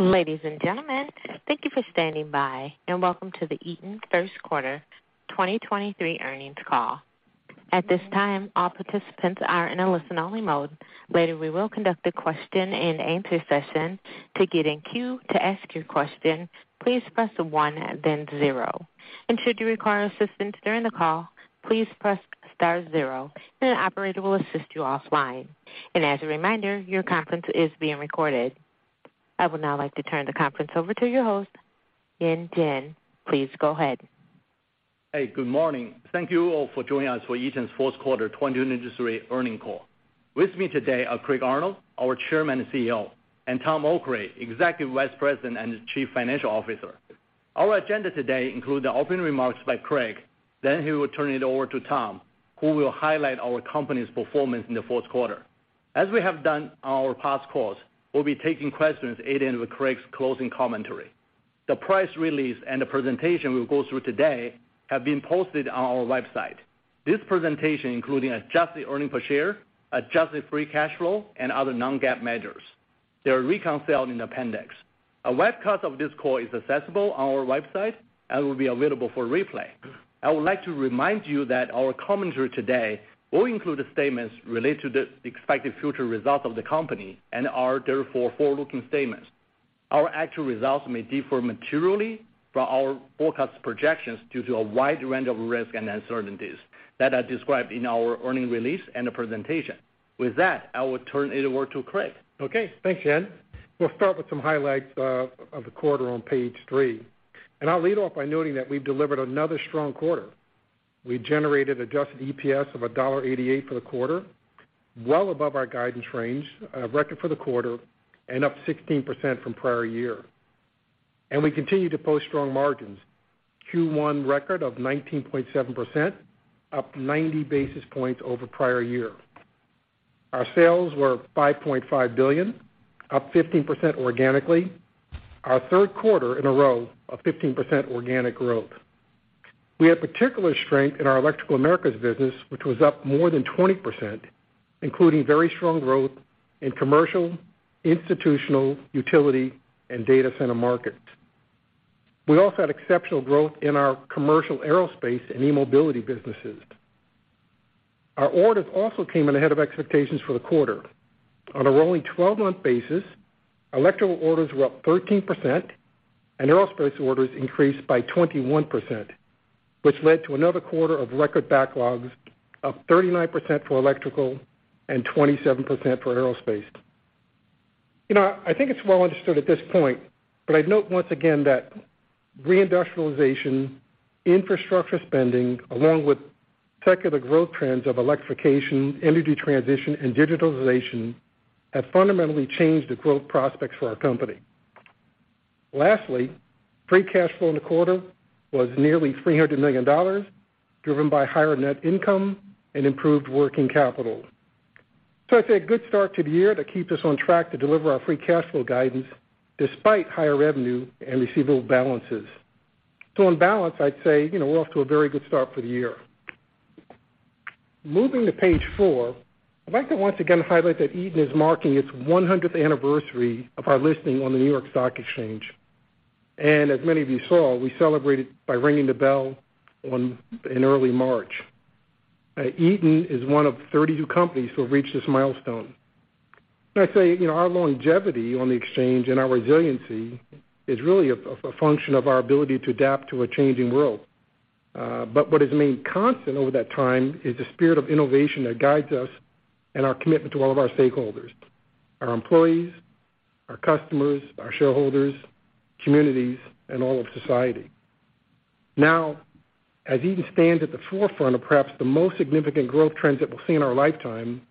Ladies and gentlemen, thank you for standing by, welcome to the Eaton Third Quarter 2023 earnings call. At this time, all participants are in a listen-only mode. Later, we will conduct a question-and-answer session. To get in queue to ask your question, please Press one then zero. Should you require assistance during the call, please Press Star zero and an operator will assist you offline. As a reminder, your conference is being recorded. I would now like to turn the conference over to your host, Yan Jin. Please go ahead. Hey, good morning. Thank you all for joining us for Eaton's fourth quarter 2023 Earnings call. With me today are Craig Arnold, our Chairman and CEO, and Tom Okray, Executive Vice President and Chief Financial Officer. Our agenda today include the opening remarks by Craig, then he will turn it over to Tom, who will highlight our company's performance in the fourth quarter. As we have done on our past calls, we'll be taking questions at the end of Craig's closing commentary. The press release and the presentation we'll go through today have been posted on our website. This presentation, including adjusted earnings per share, adjusted free cash flow, and other non-GAAP measures. They are reconciled in appendix. A webcast of this call is accessible on our website and will be available for replay. I would like to remind you that our commentary today will include the statements related to the expected future results of the company and are therefore forward-looking statements. Our actual results may differ materially from our forecast projections due to a wide range of risks and uncertainties that are described in our earnings release and the presentation. With that, I will turn it over to Craig. Okay, thanks, Yan. We'll start with some highlights of the quarter on page three. I'll lead off by noting that we've delivered another strong quarter. We generated adjusted EPS of $1.88 for the quarter, well above our guidance range, record for the quarter, and up 16% from prior year. We continue to post strong margins. Q1 record of 19.7%, up 90 basis points over prior year. Our sales were $5.5 billion, up 15% organically. Our third quarter in a row of 15% organic growth. We have particular strength in our Electrical Americas business, which was up more than 20%, including very strong growth in commercial, institutional, utility, and data center markets. We also had exceptional growth in our commercial aerospace and eMobility businesses. Our orders also came in ahead of expectations for the quarter. On a rolling 12 month basis, electrical orders were up 13%, and aerospace orders increased by 21%, which led to another quarter of record backlogs, up 39% for electrical and 27% for aerospace. You know, I think it's well understood at this point, but I'd note once again that reindustrialization, infrastructure spending, along with secular growth trends of electrification, energy transition, and digitalization have fundamentally changed the growth prospects for our company. Lastly, free cash flow in the quarter was nearly $300 million, driven by higher net income and improved working capital. I'd say a good start to the year to keep us on track to deliver our free cash flow guidance despite higher revenue and receivable balances. In balance, I'd say, you know, we're off to a very good start for the year. Moving to page four, I'd like to once again highlight that Eaton is marking its 100th anniversary of our listing on the New York Stock Exchange. As many of you saw, we celebrated by ringing the bell in early March. Eaton is one of 32 companies who have reached this milestone. I'd say, you know, our longevity on the exchange and our resiliency is really a function of our ability to adapt to a changing world. What is the main constant over that time is the spirit of innovation that guides us and our commitment to all of our stakeholders, our employees, our customers, our shareholders, communities, and all of society. Now, as Eaton stands at the forefront of perhaps the most significant growth trends that we'll see in our lifetime,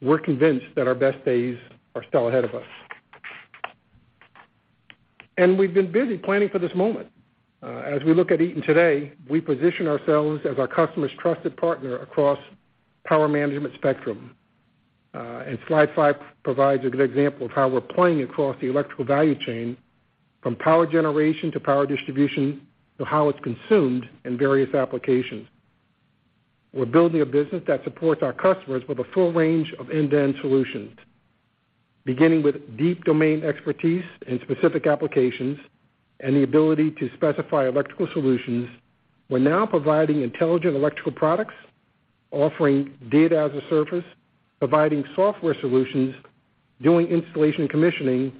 we're convinced that our best days are still ahead of us. We've been busy planning for this moment. As we look at Eaton today, we position ourselves as our customer's trusted partner across power management spectrum. Slide five provides a good example of how we're playing across the electrical value chain, from power generation to power distribution, to how it's consumed in various applications. We're building a business that supports our customers with a full range of end-to-end solutions, beginning with deep domain expertise in specific applications and the ability to specify electrical solutions. We're now providing intelligent electrical products, offering data as a service, providing software solutions, doing installation commissioning,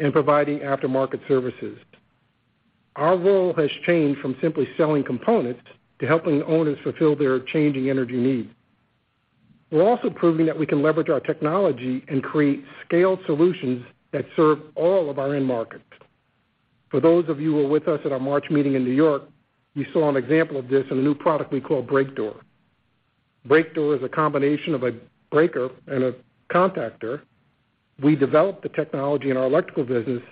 and providing aftermarket services. Our role has changed from simply selling components to helping owners fulfill their changing energy needs. We're also proving that we can leverage our technology and create scaled solutions that serve all of our end markets. For those of you who were with us at our March meeting in New York, you saw an example of this in a new product we call BreakerDoor. BreakerDoor is a combination of a breaker and a contactor. We developed the technology in our electrical business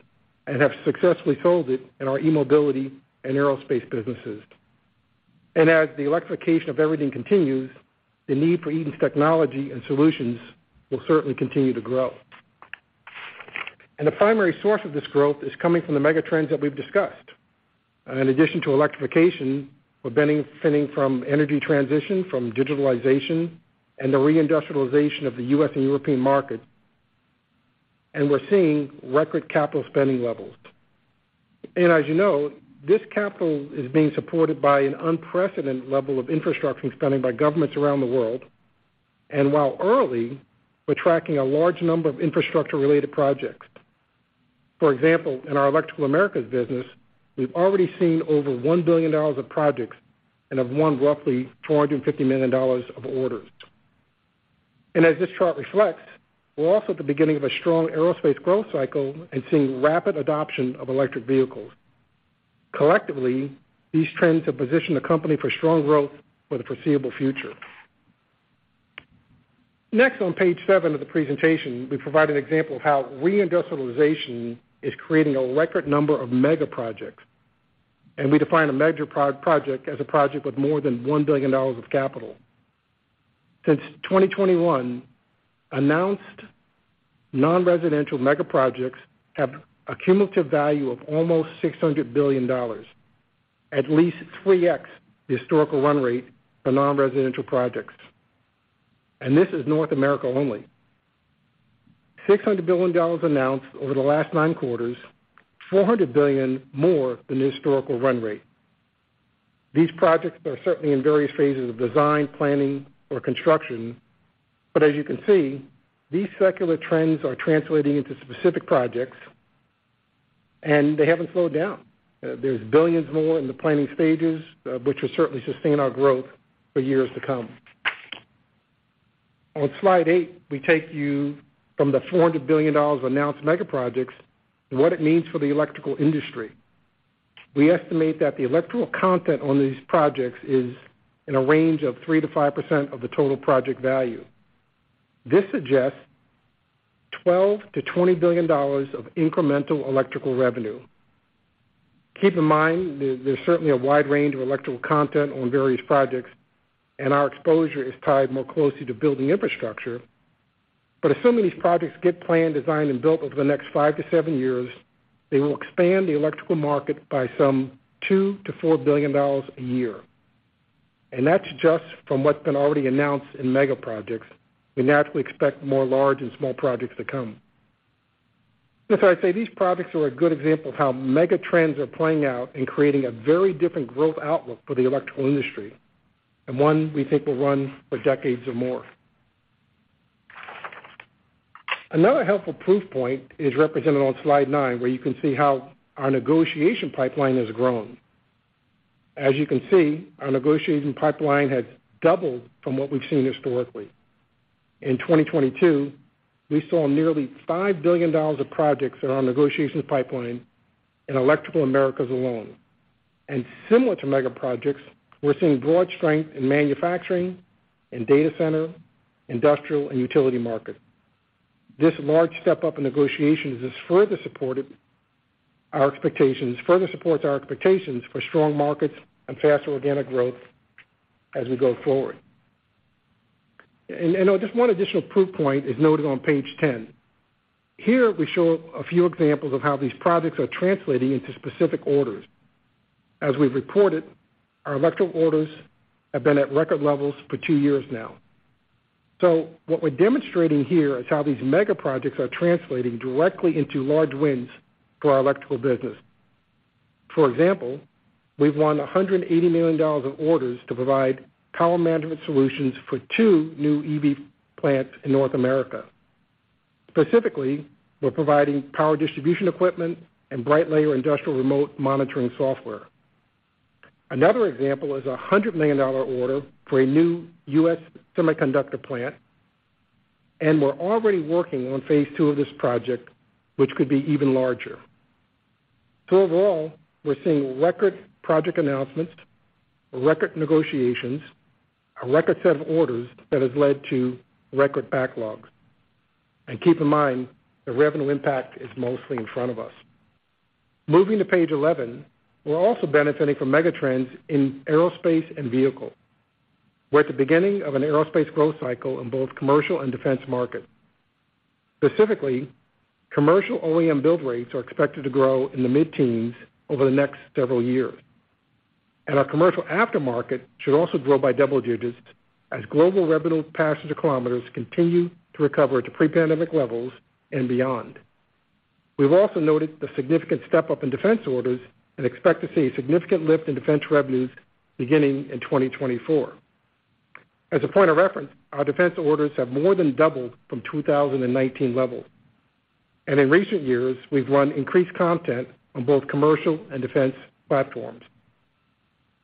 and have successfully sold it in our eMobility and aerospace businesses. As the electrification of everything continues, the need for Eaton's technology and solutions will certainly continue to grow. The primary source of this growth is coming from the mega trends that we've discussed. In addition to electrification, we're benefiting from energy transition from digitalization and the reindustrialization of the U.S. and European markets, and we're seeing record capital spending levels. As you know, this capital is being supported by an unprecedented level of infrastructure spending by governments around the world. While early, we're tracking a large number of infrastructure-related projects. For example, in our Electrical Americas business, we've already seen over $1 billion of projects and have won roughly $450 million of orders. As this chart reflects, we're also at the beginning of a strong aerospace growth cycle and seeing rapid adoption of electric vehicles. Collectively, these trends have positioned the company for strong growth for the foreseeable future. Next, on page seven of the presentation, we provide an example of how reindustrialization is creating a record number of mega projects. We define a mega project as a project with more than $1 billion of capital. Since 2021, announced non-residential mega projects have a cumulative value of almost $600 billion, at least 3x the historical run rate for non-residential projects. This is North America only. $600 billion announced over the last nine quarters, $400 billion more than the historical run rate. These projects are certainly in various phases of design, planning, or construction. As you can see, these secular trends are translating into specific projects, and they haven't slowed down. There's billions more in the planning stages, which will certainly sustain our growth for years to come. On slide eight, we take you from the $400 billion of announced mega projects and what it means for the electrical industry. We estimate that the electrical content on these projects is in a range of 3%-5% of the total project value. This suggests $12 billion-$20 billion of incremental electrical revenue. Keep in mind, there's certainly a wide range of electrical content on various projects, and our exposure is tied more closely to building infrastructure. Assuming these projects get planned, designed, and built over the next 5 to 7 years, they will expand the electrical market by some $2 billion-$4 billion a year. That's just from what's been already announced in mega projects. We naturally expect more large and small projects to come. As I say, these projects are a good example of how mega trends are playing out in creating a very different growth outlook for the electrical industry, and one we think will run for decades or more. Another helpful proof point is represented on slide 9, where you can see how our negotiation pipeline has grown. As you can see, our negotiation pipeline has doubled from what we've seen historically. In 2022, we saw nearly $5 billion of projects that are on negotiation pipeline in Electrical Americas alone. Similar to mega projects, we're seeing broad strength in manufacturing and data center, industrial and utility market. This large step-up in negotiations further supports our expectations for strong markets and faster organic growth as we go forward. Just one additional proof point is noted on page 10. Here, we show a few examples of how these projects are translating into specific orders. As we've reported, our electrical orders have been at record levels for two years now. What we're demonstrating here is how these mega projects are translating directly into large wins for our electrical business. For example, we've won $180 million of orders to provide power management solutions for two new EV plants in North America. Specifically, we're providing power distribution equipment and Brightlayer industrial remote monitoring software. Another example is a $100 million order for a new U.S. semiconductor plant. We're already working on Phase 2 of this project, which could be even larger. Overall, we're seeing record project announcements, record negotiations, a record set of orders that has led to record backlogs. Keep in mind, the revenue impact is mostly in front of us. Moving to page 11, we're also benefiting from megatrends in aerospace and vehicle. We're at the beginning of an aerospace growth cycle in both commercial and defense markets. Specifically, commercial OEM build rates are expected to grow in the mid-teens over the next several years. Our commercial aftermarket should also grow by double digits as global revenue passenger kilometers continue to recover to pre-pandemic levels and beyond. We've also noted the significant step-up in defense orders and expect to see a significant lift in defense revenues beginning in 2024. As a point of reference, our defense orders have more than doubled from 2019 levels. In recent years, we've won increased content on both commercial and defense platforms.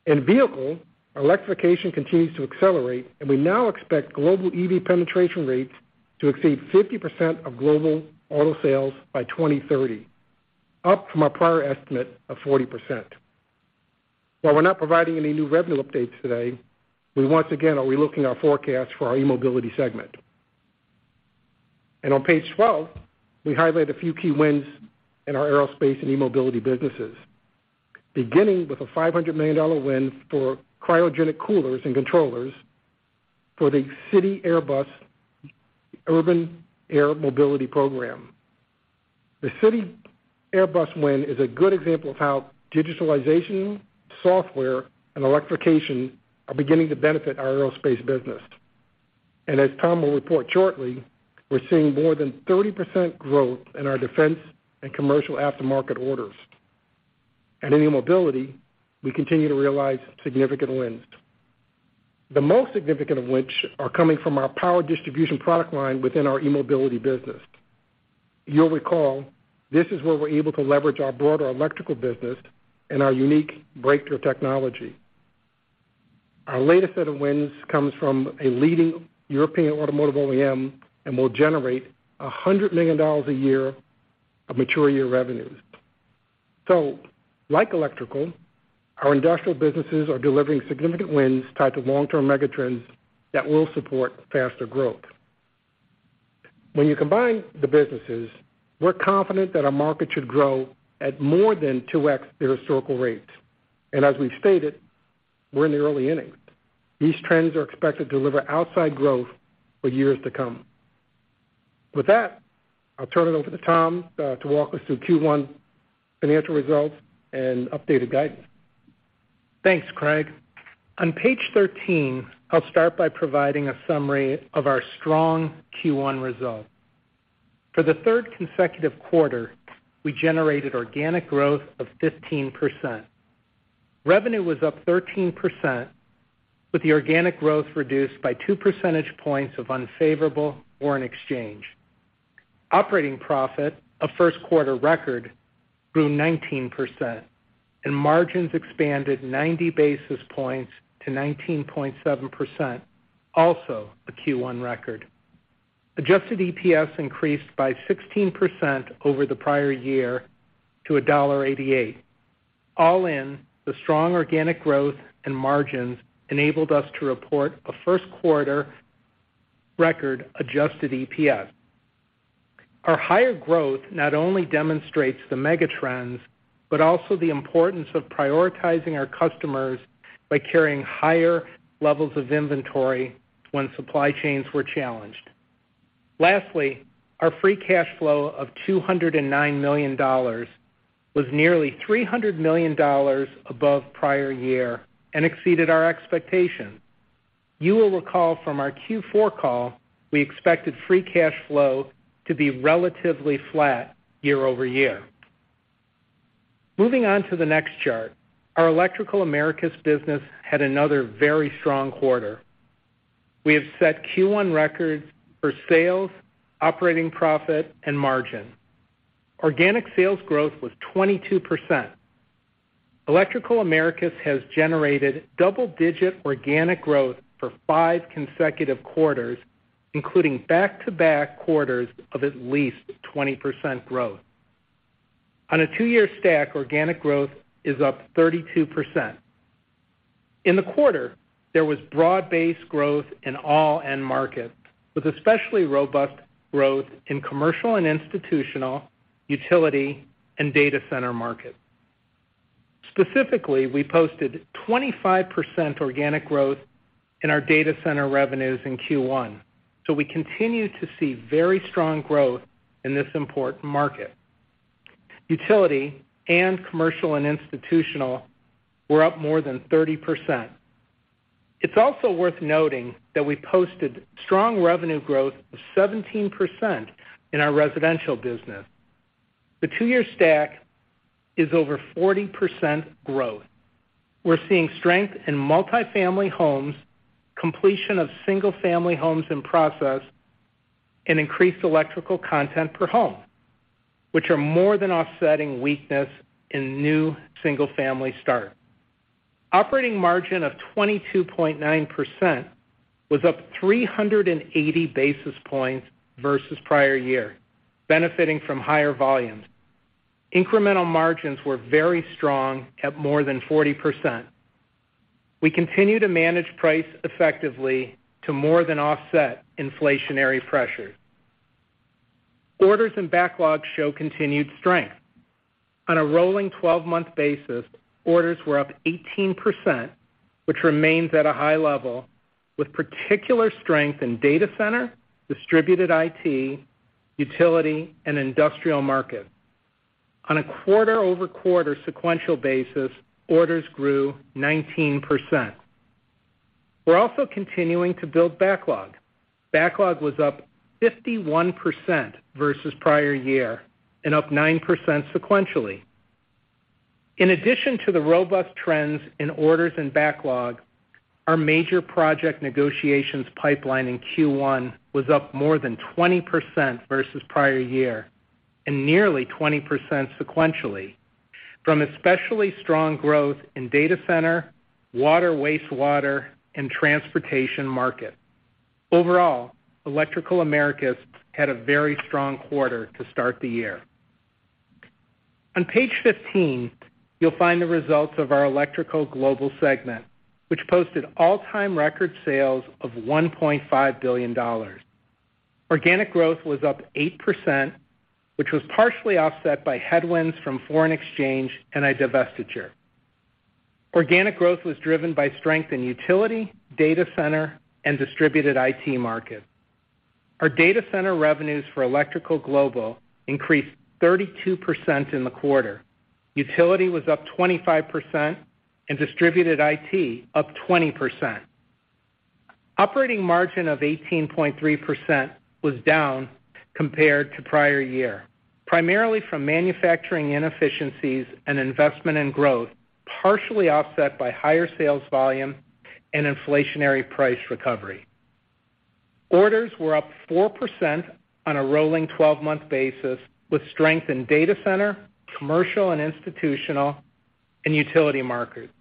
In vehicle, our electrification continues to accelerate, and we now expect global EV penetration rates to exceed 50% of global auto sales by 2030, up from our prior estimate of 40%. While we're not providing any new revenue updates today, we once again are relooking our forecast for our eMobility segment. On page 12, we highlight a few key wins in our aerospace and eMobility businesses, beginning with a $500 million win for cryogenic coolers and controllers for the CityAirbus urban air mobility program. The CityAirbus win is a good example of how digitalization, software, and electrification are beginning to benefit our aerospace business. As Tom will report shortly, we're seeing more than 30% growth in our defense and commercial aftermarket orders. In eMobility, we continue to realize significant wins, the most significant of which are coming from our power distribution product line within our eMobility business. You'll recall, this is where we're able to leverage our broader electrical business and our unique breakthrough technology. Our latest set of wins comes from a leading European automotive OEM and will generate $100 million a year of mature year revenues. Like electrical, our industrial businesses are delivering significant wins tied to long-term megatrends that will support faster growth. When you combine the businesses, we're confident that our market should grow at more than 2x their historical rates. As we've stated, we're in the early innings. These trends are expected to deliver outside growth for years to come. With that, I'll turn it over to Tom to walk us through Q1 financial results and updated guidance. Thanks, Craig. On page 13, I'll start by providing a summary of our strong Q1 results. For the third consecutive quarter, we generated organic growth of 15%. Revenue was up 13%, with the organic growth reduced by 2% points of unfavorable foreign exchange. Operating profit, a first quarter record, grew 19%, and margins expanded 90 basis points to 19.7%, also a Q1 record. Adjusted EPS increased by 16% over the prior year to $1.88. All in, the strong organic growth and margins enabled us to report a first quarter record adjusted EPS. Our higher growth not only demonstrates the megatrends, but also the importance of prioritizing our customers by carrying higher levels of inventory when supply chains were challenged. Our free cash flow of $209 million was nearly $300 million above prior year and exceeded our expectations. You will recall from our Q4 call, we expected free cash flow to be relatively flat year-over-year. Moving on to the next chart. Our Electrical Americas business had another very strong quarter. We have set Q1 records for sales, operating profit, and margin. Organic sales growth was 22%. Electrical Americas has generated double-digit organic growth for five consecutive quarters, including back-to-back quarters of at least 20% growth. On a two year stack, organic growth is up 32%. In the quarter, there was broad-based growth in all end markets, with especially robust growth in commercial and institutional, utility, and data center markets. Specifically, we posted 25% organic growth in our data center revenues in Q1. We continue to see very strong growth in this important market. Utility and commercial and institutional were up more than 30%. It's also worth noting that we posted strong revenue growth of 17% in our residential business. The two-year stack is over 40% growth. We're seeing strength in multifamily homes, completion of single-family homes in process, and increased electrical content per home, which are more than offsetting weakness in new single-family start. Operating margin of 22.9% was up 380 basis points versus prior year, benefiting from higher volumes. Incremental margins were very strong at more than 40%. We continue to manage price effectively to more than offset inflationary pressures. Orders and backlogs show continued strength. On a rolling 12 month basis, orders were up 18%, which remains at a high level, with particular strength in data center, distributed IT, utility, and industrial markets. On a quarter-over-quarter sequential basis, orders grew 19%. We're also continuing to build backlog. Backlog was up 51% versus prior year and up 9% sequentially. In addition to the robust trends in orders and backlog, our major project negotiations pipeline in Q1 was up more than 20% versus prior year and nearly 20% sequentially from especially strong growth in data center, water, wastewater, and transportation markets. Overall, Electrical Americas had a very strong quarter to start the year. On page 15, you'll find the results of our Electrical Global segment, which posted all-time record sales of $1.5 billion. Organic growth was up 8%, which was partially offset by headwinds from foreign exchange and a divestiture. Organic growth was driven by strength in utility, data center, and distributed IT markets. Our data center revenues for Electrical Global increased 32% in the quarter. Utility was up 25% and distributed IT up 20%. Operating margin of 18.3% was down compared to prior year, primarily from manufacturing inefficiencies and investment in growth, partially offset by higher sales volume and inflationary price recovery. Orders were up 4% on a rolling 12-month basis, with strength in data center, commercial and institutional, and utility markets.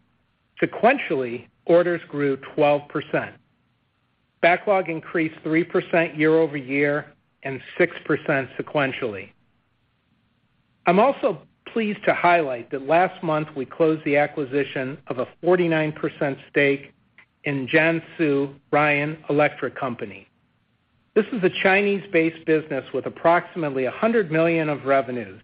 Sequentially, orders grew 12%. Backlog increased 3% year-over-year and 6% sequentially. I'm also pleased to highlight that last month we closed the acquisition of a 49% stake in Jiangsu Ryan Electrical Company. This is a Chinese-based business with approximately $100 million of revenues,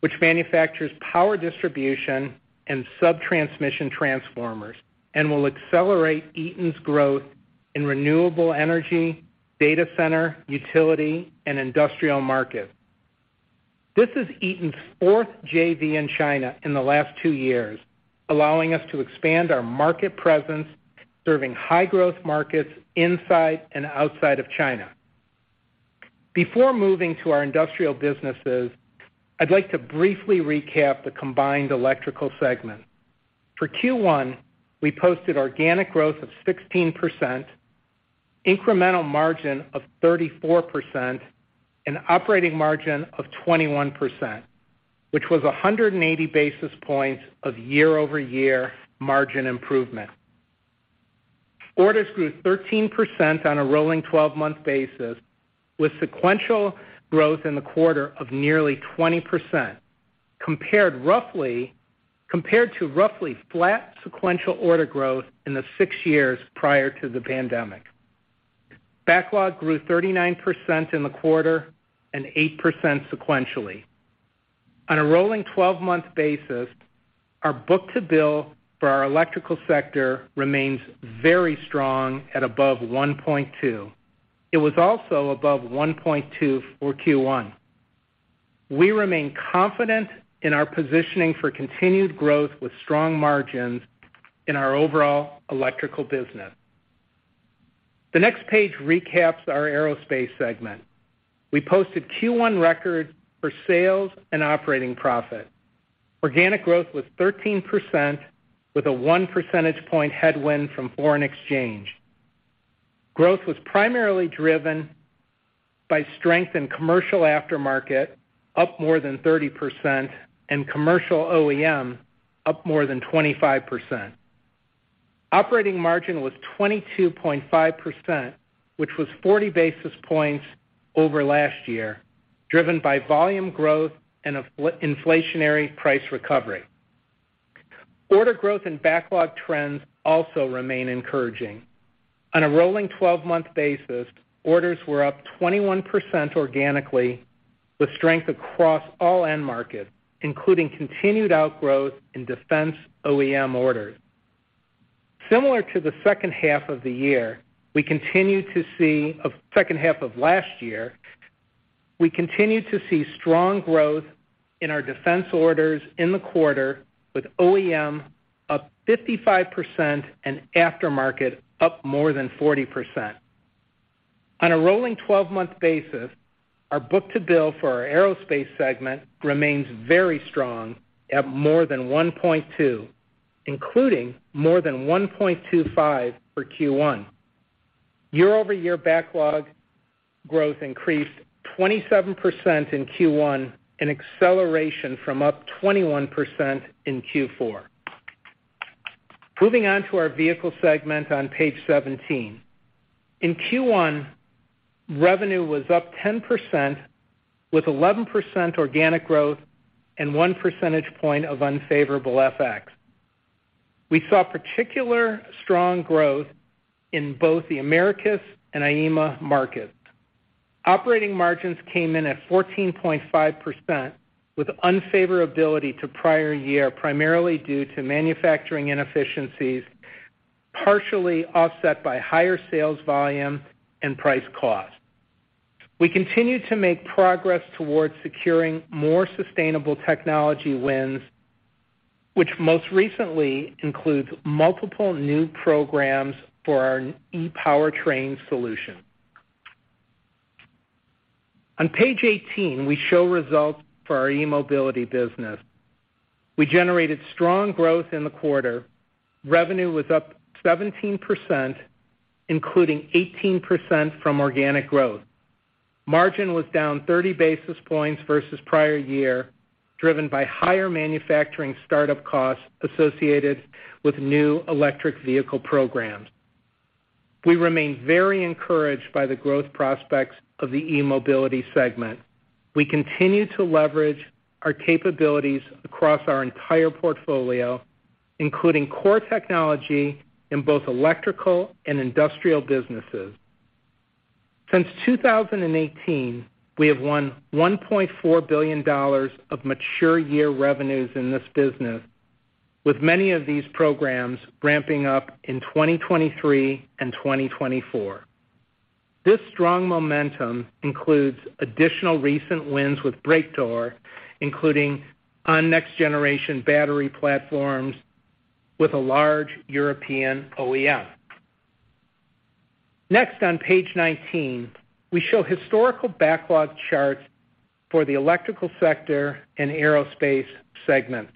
which manufactures power distribution and sub-transmission transformers, and will accelerate Eaton's growth in renewable energy, data center, utility, and industrial markets. This is Eaton's fourth JV in China in the last two years, allowing us to expand our market presence, serving high-growth markets inside and outside of China. Before moving to our industrial businesses, I'd like to briefly recap the combined Electrical segment. For Q1, we posted organic growth of 16%, incremental margin of 34%, and operating margin of 21%, which was 180 basis points of year-over-year margin improvement. Orders grew 13% on a rolling 12 month basis, with sequential growth in the quarter of nearly 20%, compared to roughly flat sequential order growth in the six years prior to the pandemic. Backlog grew 39% in the quarter and 8% sequentially. On a rolling 12 month basis, our book-to-bill for our Electrical sector remains very strong at above 1.2. It was also above 1.2 for Q1. We remain confident in our positioning for continued growth with strong margins in our overall Electrical business. The next page recaps our Aerospace segment. We posted Q1 records for sales and operating profit. Organic growth was 13% with a 1% point headwind from foreign exchange. Growth was primarily driven by strength in commercial aftermarket, up more than 30%, and commercial OEM, up more than 25%. Operating margin was 22.5%, which was 40 basis points over last year, driven by volume growth and inflationary price recovery. Order growth and backlog trends also remain encouraging. On a rolling 12-month basis, orders were up 21% organically, with strength across all end markets, including continued outgrowth in defense OEM orders. Similar to the second half of last year, we continue to see strong growth in our defense orders in the quarter, with OEM up 55% and aftermarket up more than 40%. On a rolling 12 month basis, our book-to-bill for our Aerospace segment remains very strong at more than 1.2, including more than 1.25 for Q1. Year-over-year backlog growth increased 27% in Q1, an acceleration from up 21% in Q4. Moving on to our Vehicle segment on page 17. In Q1, revenue was up 10%, with 11% organic growth and 1 percentage point of unfavorable FX. We saw particular strong growth in both the Americas and EMEA markets. Operating margins came in at 14.5%, with unfavorability to prior year primarily due to manufacturing inefficiencies, partially offset by higher sales volume and price cost. We continue to make progress towards securing more sustainable technology wins, which most recently includes multiple new programs for our ePowertrain solution. On page 18, we show results for our eMobility business. We generated strong growth in the quarter. Revenue was up 17%, including 18% from organic growth. Margin was down 30 basis points versus prior year, driven by higher manufacturing startup costs associated with new electric vehicle programs. We remain very encouraged by the growth prospects of the eMobility segment. We continue to leverage our capabilities across our entire portfolio, including core technology in both Electrical and Industrial businesses. Since 2018, we have won $1.4 billion of mature year revenues in this business, with many of these programs ramping up in 2023 and 2024. This strong momentum includes additional recent wins with BreakerDoor, including on next generation battery platforms with a large European OEM. Next on page 19, we show historical backlog charts for the electrical sector and aerospace segments.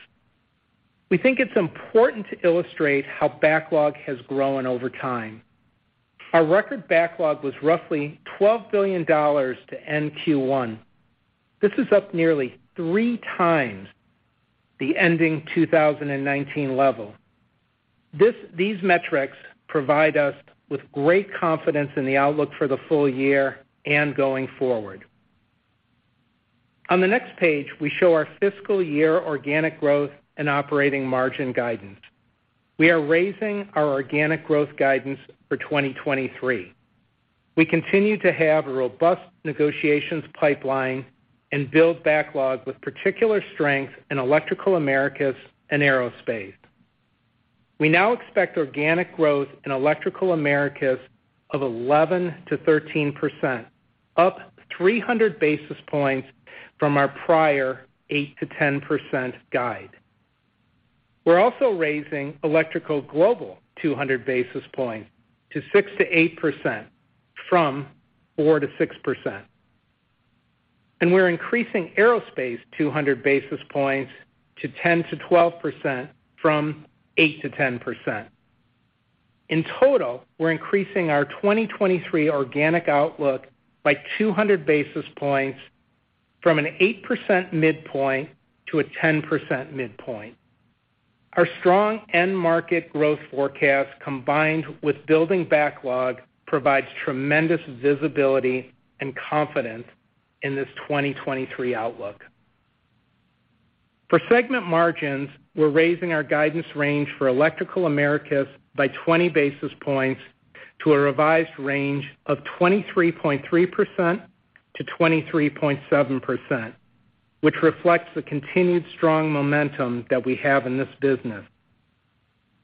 We think it's important to illustrate how backlog has grown over time. Our record backlog was roughly $12 billion to end Q1. This is up nearly 3x the ending 2019 level. These metrics provide us with great confidence in the outlook for the full year and going forward. On the next page, we show our fiscal year organic growth and operating margin guidance. We are raising our organic growth guidance for 2023. We continue to have a robust negotiations pipeline and build backlog with particular strength in Electrical Americas and aerospace. We now expect organic growth in Electrical Americas of 11%-13%, up 300 basis points from our prior 8%-10% guide. We're also raising Electrical Global 200 basis points to 6%-8% from 4%-6%. We're increasing aerospace 200 basis points to 10%-12% from 8%-10%. In total, we're increasing our 2023 organic outlook by 200 basis points from an 8% midpoint to a 10% midpoint. Our strong end market growth forecast, combined with building backlog, provides tremendous visibility and confidence in this 2023 outlook. For segment margins, we're raising our guidance range for Electrical Americas by 20 basis points to a revised range of 23.3%-23.7%, which reflects the continued strong momentum that we have in this business.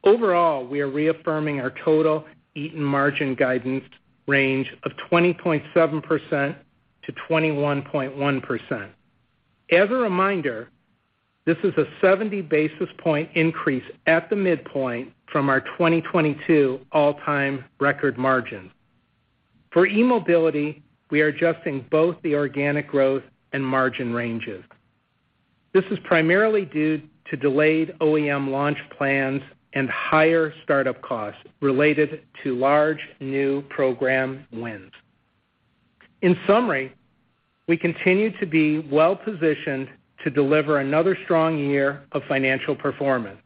Overall, we are reaffirming our total Eaton margin guidance range of 20.7%-21.1%. As a reminder, this is a 70 basis point increase at the midpoint from our 2022 all-time record margin. For eMobility, we are adjusting both the organic growth and margin ranges. This is primarily due to delayed OEM launch plans and higher start-up costs related to large new program wins. In summary, we continue to be well-positioned to deliver another strong year of financial performance.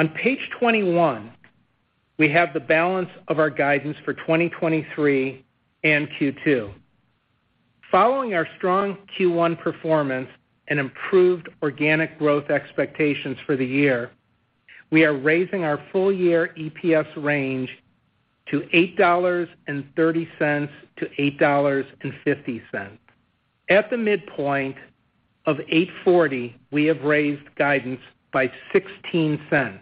On page 21, we have the balance of our guidance for 2023 and Q2. Following our strong Q1 performance and improved organic growth expectations for the year, we are raising our full year EPS range to $8.30-$8.50. At the midpoint of $8.40, we have raised guidance by $0.16.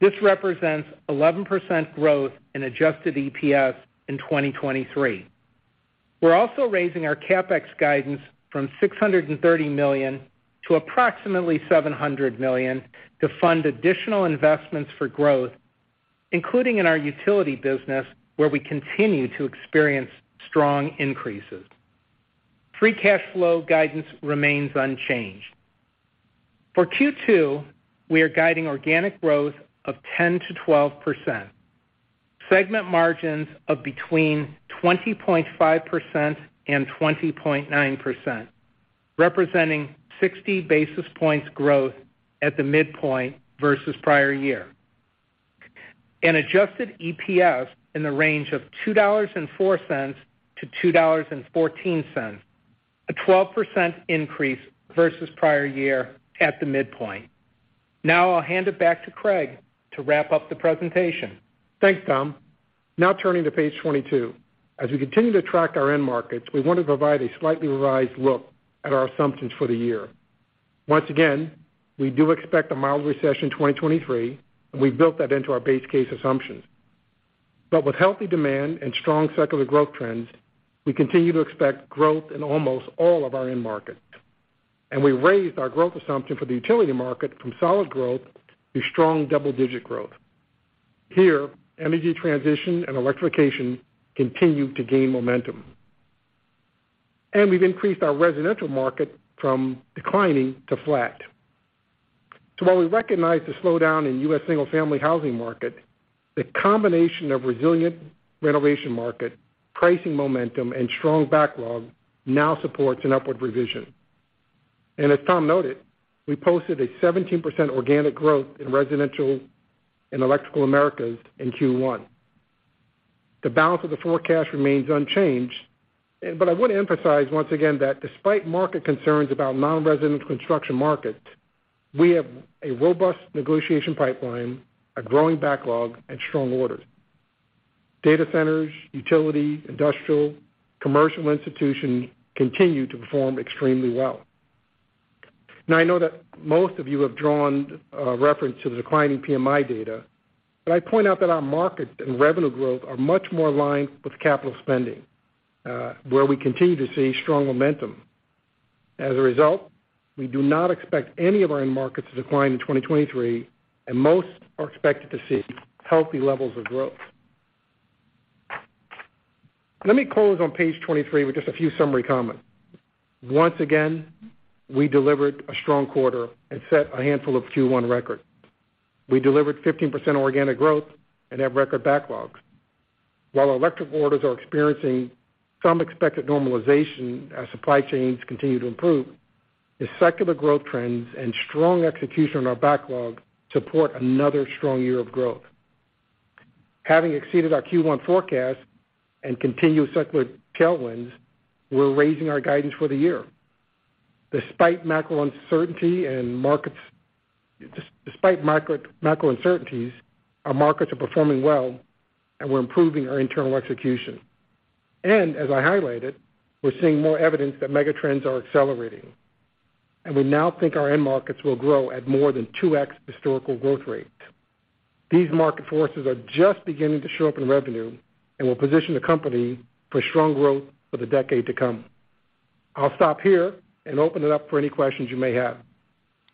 This represents 11% growth in adjusted EPS in 2023. We're also raising our CapEx guidance from $630 million to approximately $700 million to fund additional investments for growth, including in our utility business, where we continue to experience strong increases. Free cash flow guidance remains unchanged. For Q2, we are guiding organic growth of 10%-12%, segment margins of between 20.5% and 20.9%, representing 60 basis points growth at the midpoint versus prior year. An adjusted EPS in the range of $2.04-$2.14, a 12% increase versus prior year at the midpoint. I'll hand it back to Craig to wrap up the presentation. Thanks, Tom. Turning to page 22. As we continue to track our end markets, we want to provide a slightly revised look at our assumptions for the year. Once again, we do expect a mild recession in 2023, and we've built that into our base case assumptions. With healthy demand and strong secular growth trends, we continue to expect growth in almost all of our end markets. We raised our growth assumption for the utility market from solid growth to strong double-digit growth. Here, energy transition and electrification continue to gain momentum. We've increased our residential market from declining to flat. While we recognize the slowdown in U.S. single-family housing market, the combination of resilient renovation market, pricing momentum, and strong backlog now supports an upward revision. As Tom noted, we posted a 17% organic growth in residential and Electrical Americas in Q1. The balance of the forecast remains unchanged. I want to emphasize once again that despite market concerns about non-residential construction markets, we have a robust negotiation pipeline, a growing backlog and strong orders. Data centers, utility, industrial, commercial institutions continue to perform extremely well. I know that most of you have drawn reference to the declining PMI data, I point out that our market and revenue growth are much more aligned with capital spending, where we continue to see strong momentum. We do not expect any of our end markets to decline in 2023, and most are expected to see healthy levels of growth. Let me close on page 23 with just a few summary comments. Once again, we delivered a strong quarter and set a handful of Q1 records. We delivered 15% organic growth and have record backlogs. While electric orders are experiencing some expected normalization as supply chains continue to improve, the secular growth trends and strong execution on our backlog support another strong year of growth. Having exceeded our Q1 forecast and continued secular tailwinds, we're raising our guidance for the year. Despite macro uncertainty and despite market, macro uncertainties, our markets are performing well, and we're improving our internal execution. As I highlighted, we're seeing more evidence that megatrends are accelerating, and we now think our end markets will grow at more than 2x historical growth rates. These market forces are just beginning to show up in revenue and will position the company for strong growth for the decade to come. I'll stop here and open it up for any questions you may have.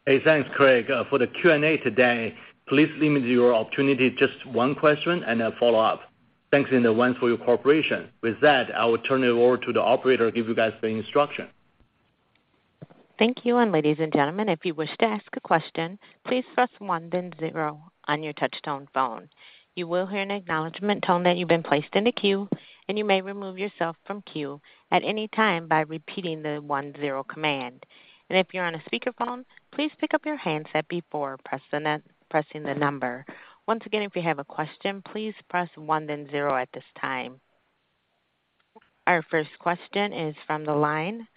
Thanks, Craig. For the Q&A today, please limit your opportunity to just one question and a follow-up. Thanks in advance for your cooperation. With that, I will turn it over to the operator to give you guys the instruction. Thank you. Ladies and gentlemen, if you wish to ask a question, please press one then zero on your touch-tone phone. You will hear an acknowledgment tone that you've been placed in a queue, and you may remove yourself from queue at any time by repeating the 1-0 command. If you're on a speakerphone, please pick up your handset before pressing the number. Once again, if you have a question, please press one then zero at this time. Our first question is from the line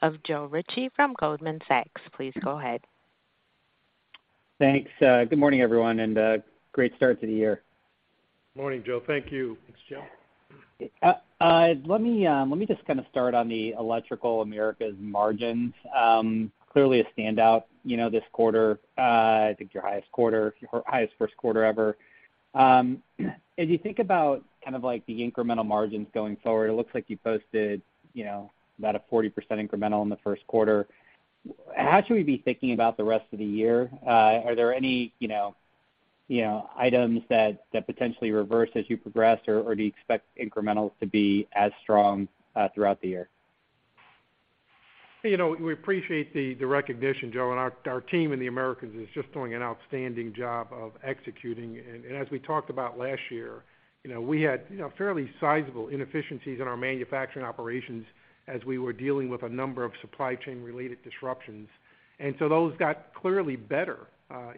of Joe Ritchie from Goldman Sachs. Please go ahead. Thanks. Good morning, everyone, and great start to the year. Morning, Joe. Thank you. Thanks, Joe. Let me just kind of start on the Electrical Americas margins. Clearly a standout, you know, this quarter. I think your highest quarter, your highest first quarter ever. As you think about kind of like the incremental margins going forward, it looks like you posted, you know, about a 40% incremental in the first quarter. How should we be thinking about the rest of the year? Are there any, you know, items that potentially reverse as you progress, or do you expect incrementals to be as strong throughout the year? You know, we appreciate the recognition, Joe, and our team in the Americas is just doing an outstanding job of executing. As we talked about last year, you know, we had, you know, fairly sizable inefficiencies in our manufacturing operations as we were dealing with a number of supply chain related disruptions. Those got clearly better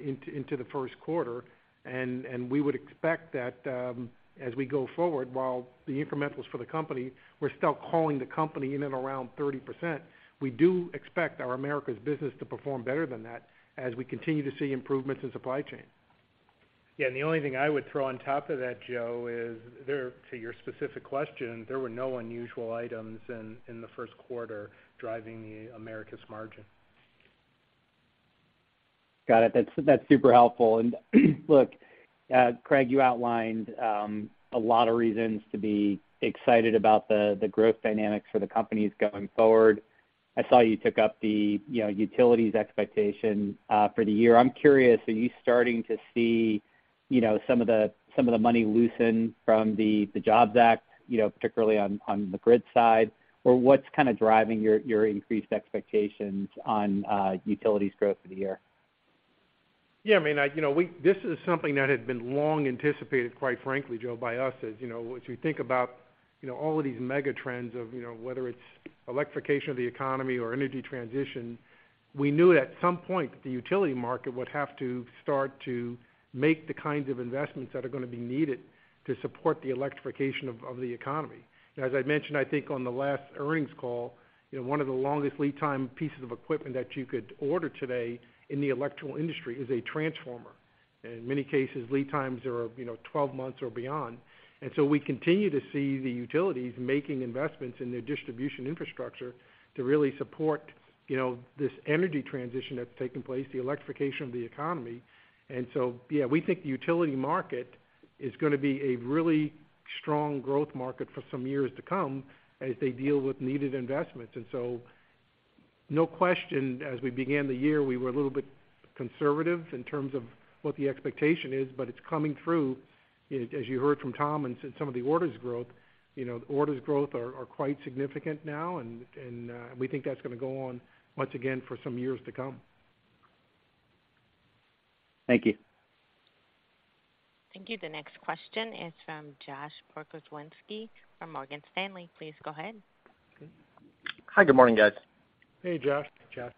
into the first quarter. We would expect that as we go forward, while the incrementals for the company, we're still calling the company in and around 30%, we do expect our Americas business to perform better than that as we continue to see improvements in supply chain. Yeah. The only thing I would throw on top of that, Joe, is there, to your specific question, there were no unusual items in the first quarter driving the Americas margin. Got it. That's super helpful. Look, Craig, you outlined a lot of reasons to be excited about the growth dynamics for the companies going forward. I saw you took up the, you know, utilities expectation for the year. I'm curious, are you starting to see, you know, some of the money loosen from the Jobs Act, you know, particularly on the grid side? What's kind of driving your increased expectations on utilities growth for the year? Yeah, I mean, I, you know, we this is something that had been long anticipated, quite frankly, Joe, by us. As you know, as you think about, you know, all of these megatrends of, you know, whether it's electrification of the economy or energy transition, we knew at some point the utility market would have to start to make the kinds of investments that are gonna be needed to support the electrification of the economy. As I mentioned, I think on the last earnings call, you know, one of the longest lead time pieces of equipment that you could order today in the electrical industry is a transformer. In many cases, lead times are, you know, 12 months or beyond. We continue to see the utilities making investments in their distribution infrastructure to really support, you know, this energy transition that's taking place, the electrification of the economy. Yeah, we think the utility market is gonna be a really strong growth market for some years to come as they deal with needed investments. No question, as we began the year, we were a little bit conservative in terms of what the expectation is, but it's coming through. As you heard from Tom and some of the orders growth, you know, the orders growth are quite significant now and we think that's gonna go on once again for some years to come. Thank you. Thank you. The next question is from Josh Pokrzywinski from Morgan Stanley. Please go ahead. Hi. Good morning, guys. Hey, Josh. Hey,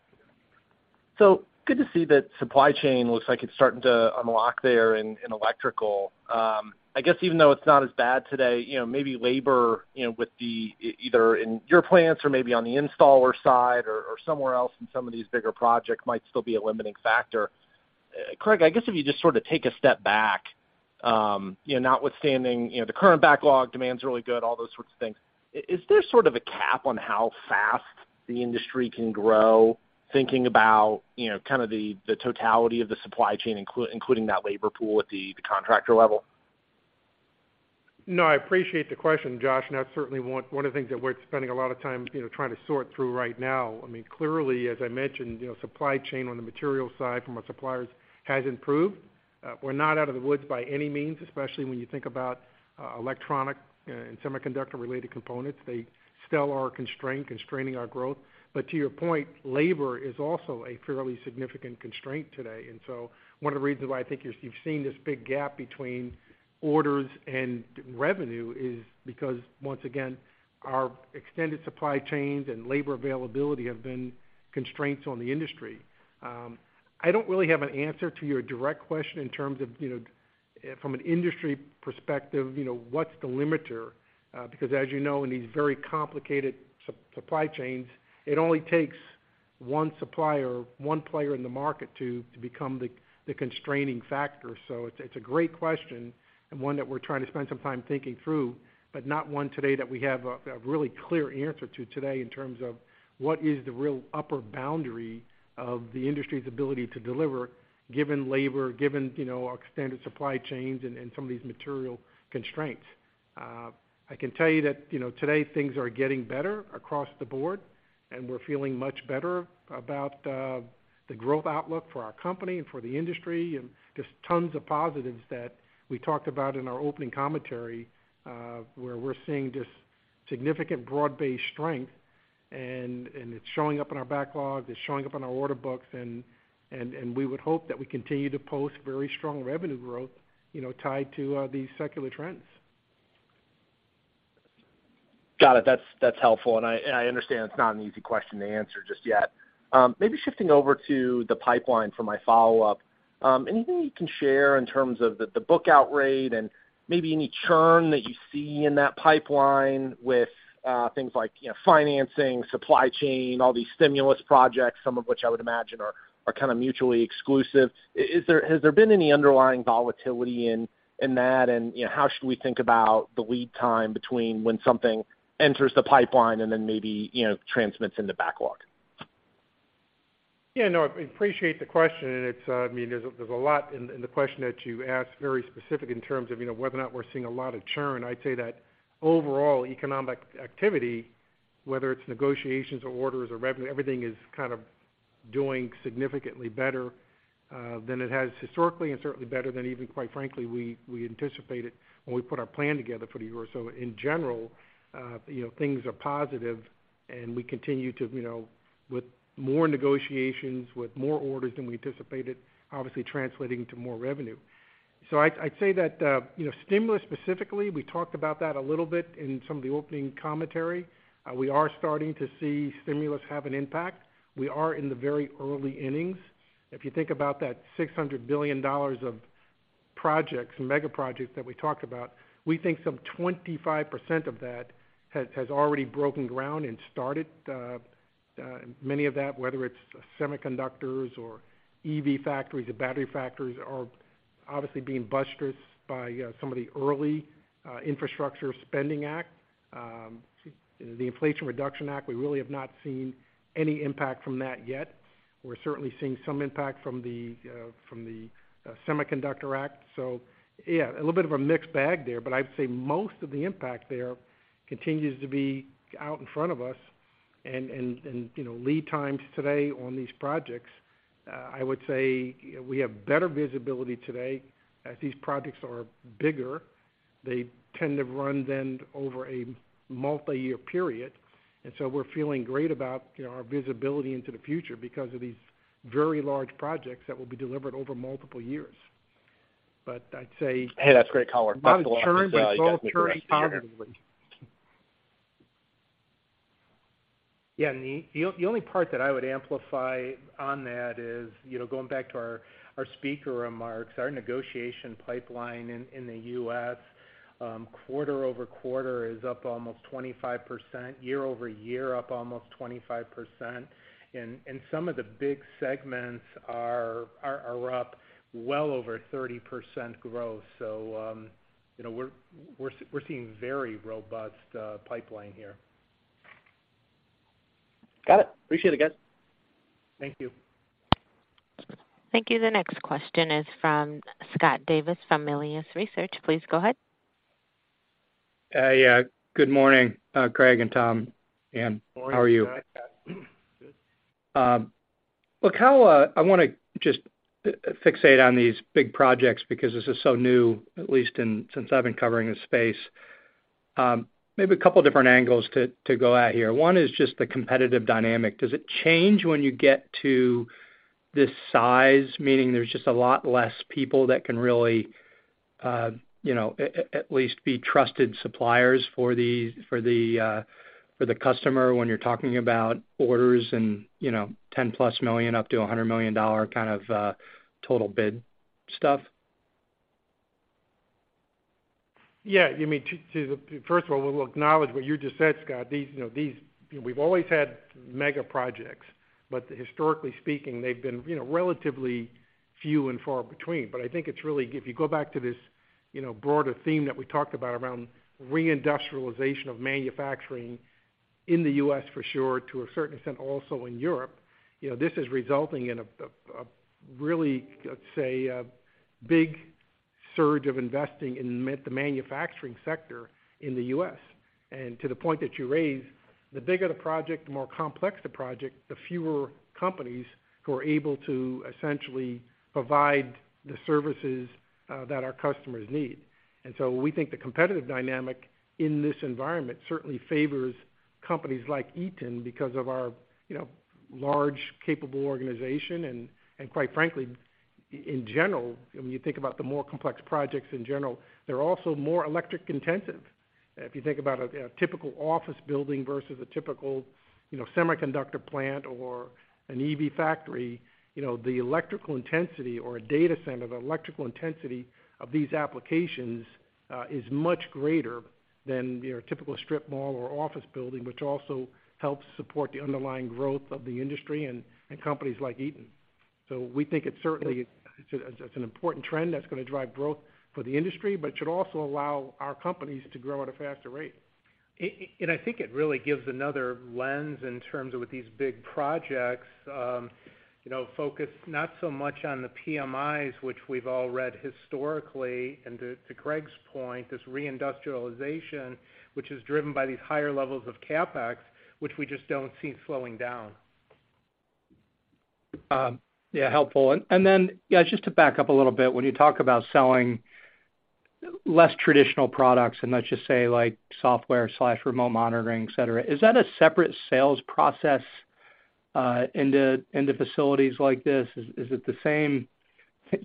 Josh. Good to see that supply chain looks like it's starting to unlock there in electrical. I guess even though it's not as bad today, you know, maybe labor, you know, with either in your plants or maybe on the installer side or somewhere else in some of these bigger projects might still be a limiting factor. Craig, I guess if you just sort of take a step back, you know, notwithstanding, you know, the current backlog demand's really good, all those sorts of things. Is there sort of a cap on how fast the industry can grow, thinking about, you know, kind of the totality of the supply chain, including that labor pool at the contractor level? No, I appreciate the question, Josh. That's certainly one of the things that we're spending a lot of time, you know, trying to sort through right now. I mean, clearly, as I mentioned, you know, supply chain on the material side from our suppliers has improved. We're not out of the woods by any means, especially when you think about electronic and semiconductor-related components. They still are constrained, constraining our growth. To your point, labor is also a fairly significant constraint today. One of the reasons why I think is you've seen this big gap between orders and revenue is because, once again, our extended supply chains and labor availability have been constraints on the industry. I don't really have an answer to your direct question in terms of, you know, from an industry perspective, you know, what's the limiter? Because as you know, in these very complicated supply chains, it only takes one supplier, one player in the market to become the constraining factor. It's a great question and one that we're trying to spend some time thinking through, but not one today that we have a really clear answer to today in terms of what is the real upper boundary of the industry's ability to deliver, given labor, given, you know, our extended supply chains and some of these material constraints. I can tell you that, you know, today things are getting better across the board, and we're feeling much better about the growth outlook for our company and for the industry. Just tons of positives that we talked about in our opening commentary, where we're seeing just significant broad-based strength, and it's showing up in our backlog. It's showing up in our order books. And we would hope that we continue to post very strong revenue growth, you know, tied to these secular trends. Got it. That's, that's helpful. I understand it's not an easy question to answer just yet. Maybe shifting over to the pipeline for my follow-up. Anything you can share in terms of the book outrate and maybe any churn that you see in that pipeline with things like, you know, financing, supply chain, all these stimulus projects, some of which I would imagine are kind of mutually exclusive. Has there been any underlying volatility in that? You know, how should we think about the lead time between when something enters the pipeline and then maybe, you know, transmits in the backlog? Yeah, no, I appreciate the question. It's, I mean, there's a lot in the question that you asked, very specific in terms of, you know, whether or not we're seeing a lot of churn. I'd say that overall economic activity, whether it's negotiations or orders or revenue, everything is kind of doing significantly better than it has historically, and certainly better than even, quite frankly, we anticipated when we put our plan together for the year. In general, you know, things are positive, and we continue to, you know, with more negotiations, with more orders than we anticipated, obviously translating to more revenue. I'd say that, you know, stimulus specifically, we talked about that a little bit in some of the opening commentary. We are starting to see stimulus have an impact. We are in the very early innings. If you think about that $600 billion of projects, mega projects that we talked about, we think some 25% of that has already broken ground and started. And many of that, whether it's semiconductors or EV factories or battery factories, are obviously being buttressed by some of the early Infrastructure Spending Act. The Inflation Reduction Act, we really have not seen any impact from that yet. We're certainly seeing some impact from the from the Semiconductor Act. Yeah, a little bit of a mixed bag there, but I'd say most of the impact there continues to be out in front of us. And, you know, lead times today on these projects, I would say we have better visibility today. As these projects are bigger, they tend to run then over a multiyear period. We're feeling great about, you know, our visibility into the future because of these very large projects that will be delivered over multiple years. I'd say. Hey, that's great color. Not a churn, but slow churn positively. Yeah. The only part that I would amplify on that is, you know, going back to our speaker remarks, our negotiation pipeline in the U.S. quarter-over-quarter is up almost 25%. Year-over-year, up almost 25%. Some of the big segments are up well over 30% growth. You know, we're seeing very robust pipeline here. Got it. Appreciate it, guys. Thank you. Thank you. The next question is from Scott Davis from Melius Research. Please go ahead. Yeah, good morning, Craig and Tom and how are you? Morning, Scott. Good. Look, how I wanna just fixate on these big projects because this is so new, at least since I've been covering this space. Maybe a couple different angles to go at here. One is just the competitive dynamic. Does it change when you get to this size, meaning there's just a lot less people that can really, you know, at least be trusted suppliers for the, for the, for the customer when you're talking about orders and, you know, $10+ million up to a $100 million kind of total bid stuff? Yeah, you mean to first of all, we'll acknowledge what you just said, Scott. These, you know, these, we've always had mega projects, but historically speaking, they've been, you know, relatively few and far between. I think it's really, if you go back to this, you know, broader theme that we talked about around reindustrialization of manufacturing in the U.S. for sure, to a certain extent also in Europe, you know, this is resulting in a really, let's say, a big surge of investing in the manufacturing sector in the U.S. To the point that you raised, the bigger the project, the more complex the project, the fewer companies who are able to essentially provide the services that our customers need. We think the competitive dynamic in this environment certainly favors companies like Eaton because of our, you know, large, capable organization. Quite frankly, in general, when you think about the more complex projects in general, they're also more electric intensive. If you think about a typical office building versus a typical, you know, semiconductor plant or an EV factory, you know, the electrical intensity or a data center, the electrical intensity of these applications is much greater than your typical strip mall or office building, which also helps support the underlying growth of the industry and companies like Eaton. We think it certainly, it's an important trend that's going to drive growth for the industry, but should also allow our companies to grow at a faster rate. I think it really gives another lens in terms of with these big projects, you know, focused not so much on the PMIs, which we've all read historically. To Craig's point, this reindustrialization, which is driven by these higher levels of CapEx, which we just don't see slowing down. Yeah, helpful. Then, yeah, just to back up a little bit, when you talk about selling less traditional products, and let's just say like software/remote monitoring, et cetera, is that a separate sales process into facilities like this? Is it the same?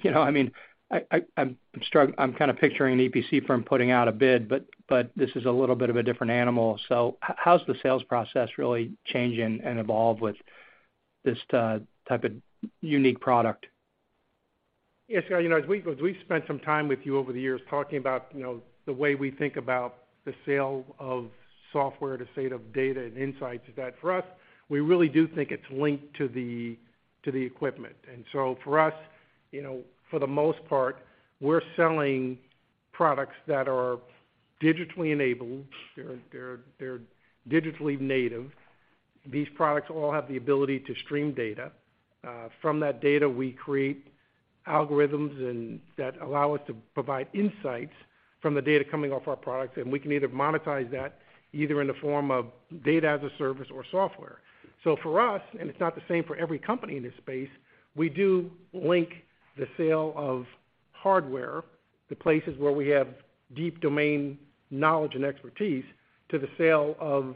You know, I mean, I'm kind of picturing an EPC firm putting out a bid, but this is a little bit of a different animal. How's the sales process really changing and evolve with this type of unique product? Scott, you know, as we spent some time with you over the years talking about, you know, the way we think about the sale of software to state of data and insights, is that for us, we really do think it's linked to the equipment. For us, you know, for the most part, we're selling products that are digitally enabled. They're digitally native. These products all have the ability to stream data. From that data, we create algorithms and, that allow us to provide insights from the data coming off our products, and we can either monetize that either in the form of data as a service or software. For us, and it's not the same for every company in this space, we do link the sale of hardware to places where we have deep domain knowledge and expertise to the sale of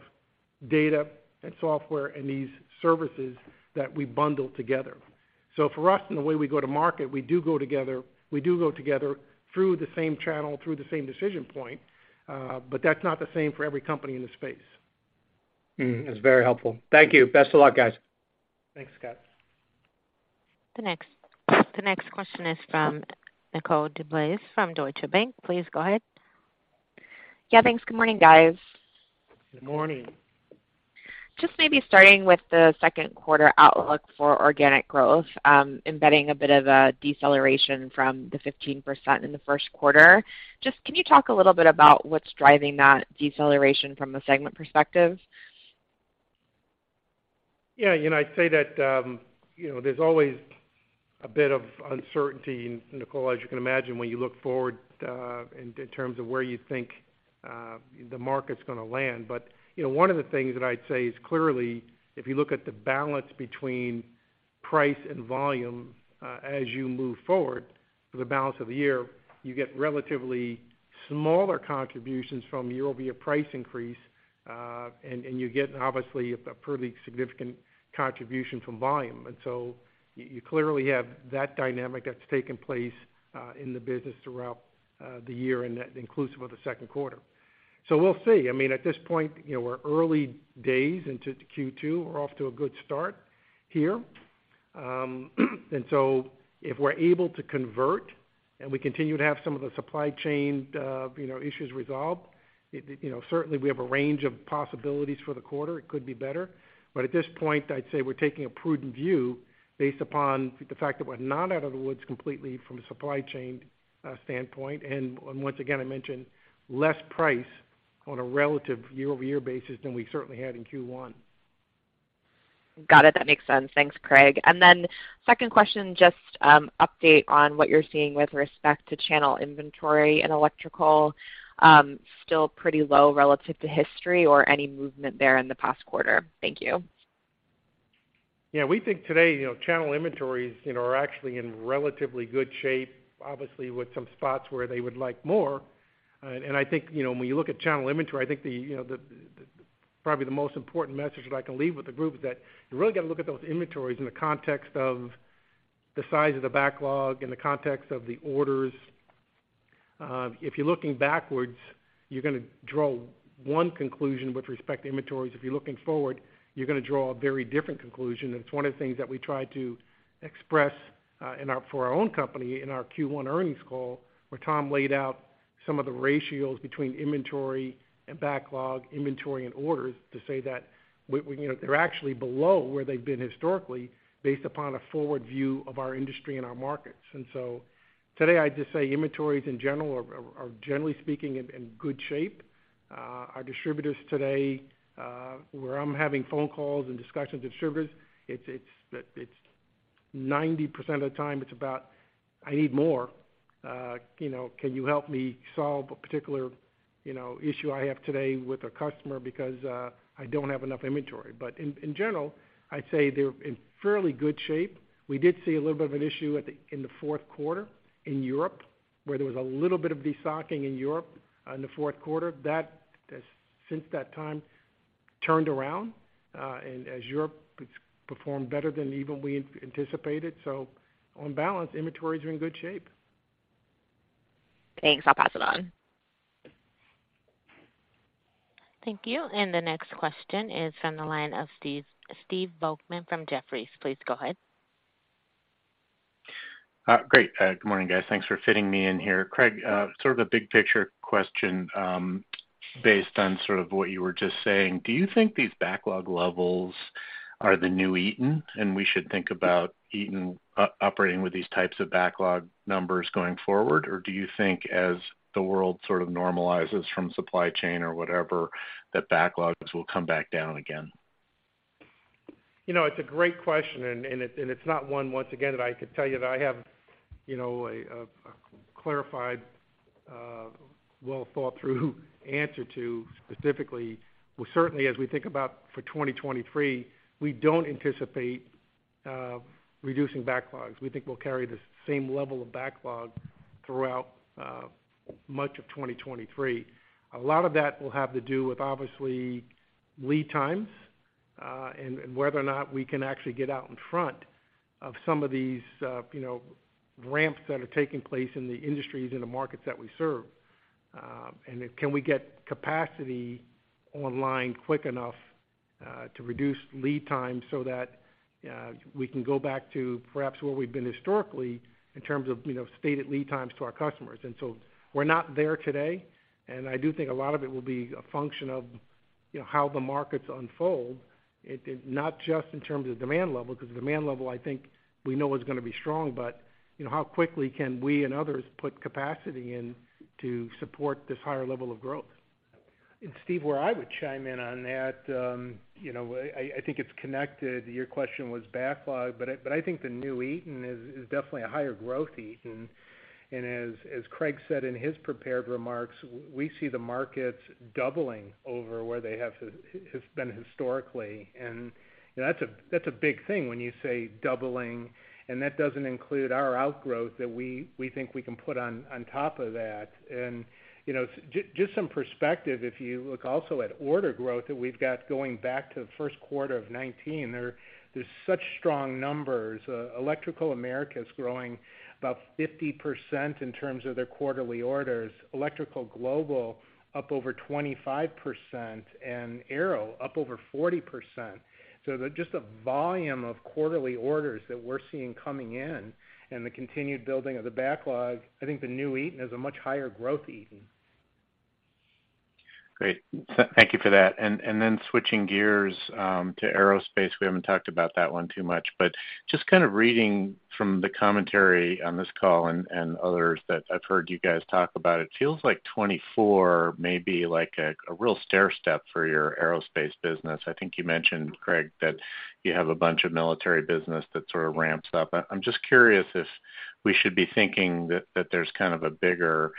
data and software and these services that we bundle together. For us and the way we go to market, we do go together through the same channel, through the same decision point, but that's not the same for every company in this space. That's very helpful. Thank you. Best of luck, guys. Thanks, Scott. The next question is from Nicole DeBlase from Deutsche Bank. Please go ahead. Yeah, thanks. Good morning, guys. Good morning. Just maybe starting with the second quarter outlook for organic growth, embedding a bit of a deceleration from the 15% in the first quarter. Just can you talk a little bit about what's driving that deceleration from a segment perspective? Yeah, you know, I'd say that, you know, there's always a bit of uncertainty, Nicole, as you can imagine, when you look forward, in terms of where you think, the market's gonna land. You know, one of the things that I'd say is clearly, if you look at the balance between price and volume, as you move forward for the balance of the year, you get relatively smaller contributions from year-over-year price increase, and you get obviously a pretty significant contribution from volume. You clearly have that dynamic that's taken place, in the business throughout, the year and that inclusive of the second quarter. We'll see. I mean, at this point, you know, we're early days into Q2. We're off to a good start here. If we're able to convert and we continue to have some of the supply chain, you know, issues resolved, it, you know, certainly we have a range of possibilities for the quarter. It could be better. At this point, I'd say we're taking a prudent view based upon the fact that we're not out of the woods completely from a supply chain standpoint. Once again, I mentioned less price on a relative year-over-year basis than we certainly had in Q1. Got it. That makes sense. Thanks, Craig. Second question, just update on what you're seeing with respect to channel inventory and electrical, still pretty low relative to history or any movement there in the past quarter? Thank you. Yeah, we think today, you know, channel inventories, you know, are actually in relatively good shape, obviously with some spots where they would like more. I think, you know, when you look at channel inventory, I think the, you know, the probably the most important message that I can leave with the group is that you really got to look at those inventories in the context of the size of the backlog, in the context of the orders. If you're looking backwards, you're gonna draw one conclusion with respect to inventories. If you're looking forward, you're gonna draw a very different conclusion. It's one of the things that we try to express for our own company in our Q1 earnings call, where Tom laid out some of the ratios between inventory and backlog, inventory and orders to say that we, you know, they're actually below where they've been historically based upon a forward view of our industry and our markets. Today, I'd just say inventories in general are generally speaking in good shape. Our distributors today, where I'm having phone calls and discussions with distributors, it's 90% of the time it's about, "I need more." You know, "Can you help me solve a particular, you know, issue I have today with a customer because I don't have enough inventory?" In general, I'd say they're in fairly good shape. We did see a little bit of an issue in the fourth quarter in Europe, where there was a little bit of de-stocking in Europe, in the fourth quarter. That has since that time turned around, and as Europe, it's performed better than even we anticipated. On balance, inventories are in good shape. Thanks. I'll pass it on. Thank you. The next question is from the line of Stephen Volkmann from Jefferies. Please go ahead. Great. Good morning, guys. Thanks for fitting me in here. Craig, sort of a big picture question, based on sort of what you were just saying, do you think these backlog levels are the new Eaton, and we should think about Eaton operating with these types of backlog numbers going forward, or do you think as the world sort of normalizes from supply chain or whatever, that backlogs will come back down again? You know, it's a great question, and it's not one, once again, that I could tell you that I have, you know, a clarified, well-thought-through answer to specifically. Well, certainly as we think about for 2023, we don't anticipate reducing backlogs. We think we'll carry the same level of backlog throughout much of 2023. A lot of that will have to do with obviously lead times, and whether or not we can actually get out in front of some of these, you know, ramps that are taking place in the industries and the markets that we serve. Can we get capacity online quick enough to reduce lead time so that we can go back to perhaps where we've been historically in terms of, you know, stated lead times to our customers. We're not there today, and I do think a lot of it will be a function of, you know, how the markets unfold, it not just in terms of demand level, because demand level, I think, we know is gonna be strong. You know, how quickly can we and others put capacity in to support this higher level of growth? Steve, where I would chime in on that, you know, I think it's connected. Your question was backlog, but I think the new Eaton is definitely a higher growth Eaton. As Craig said in his prepared remarks, we see the markets doubling over where they have been historically. You know, that's a big thing when you say doubling, and that doesn't include our outgrowth that we think we can put on top of that. You know, just some perspective, if you look also at order growth that we've got going back to the first quarter of 2019, there's such strong numbers. Electrical Americas growing about 50% in terms of their quarterly orders. Electrical Global up over 25%, and Aero up over 40%. The volume of quarterly orders that we're seeing coming in and the continued building of the backlog, I think the new Eaton is a much higher growth Eaton. Great. Thank you for that. Then switching gears to aerospace. We haven't talked about that one too much. Just kind of reading from the commentary on this call and others that I've heard you guys talk about, it feels like 2024 may be like a real stairstep for your aerospace business. I think you mentioned, Craig, that you have a bunch of military business that sort of ramps up. I'm just curious if we should be thinking that there's kind of a bigger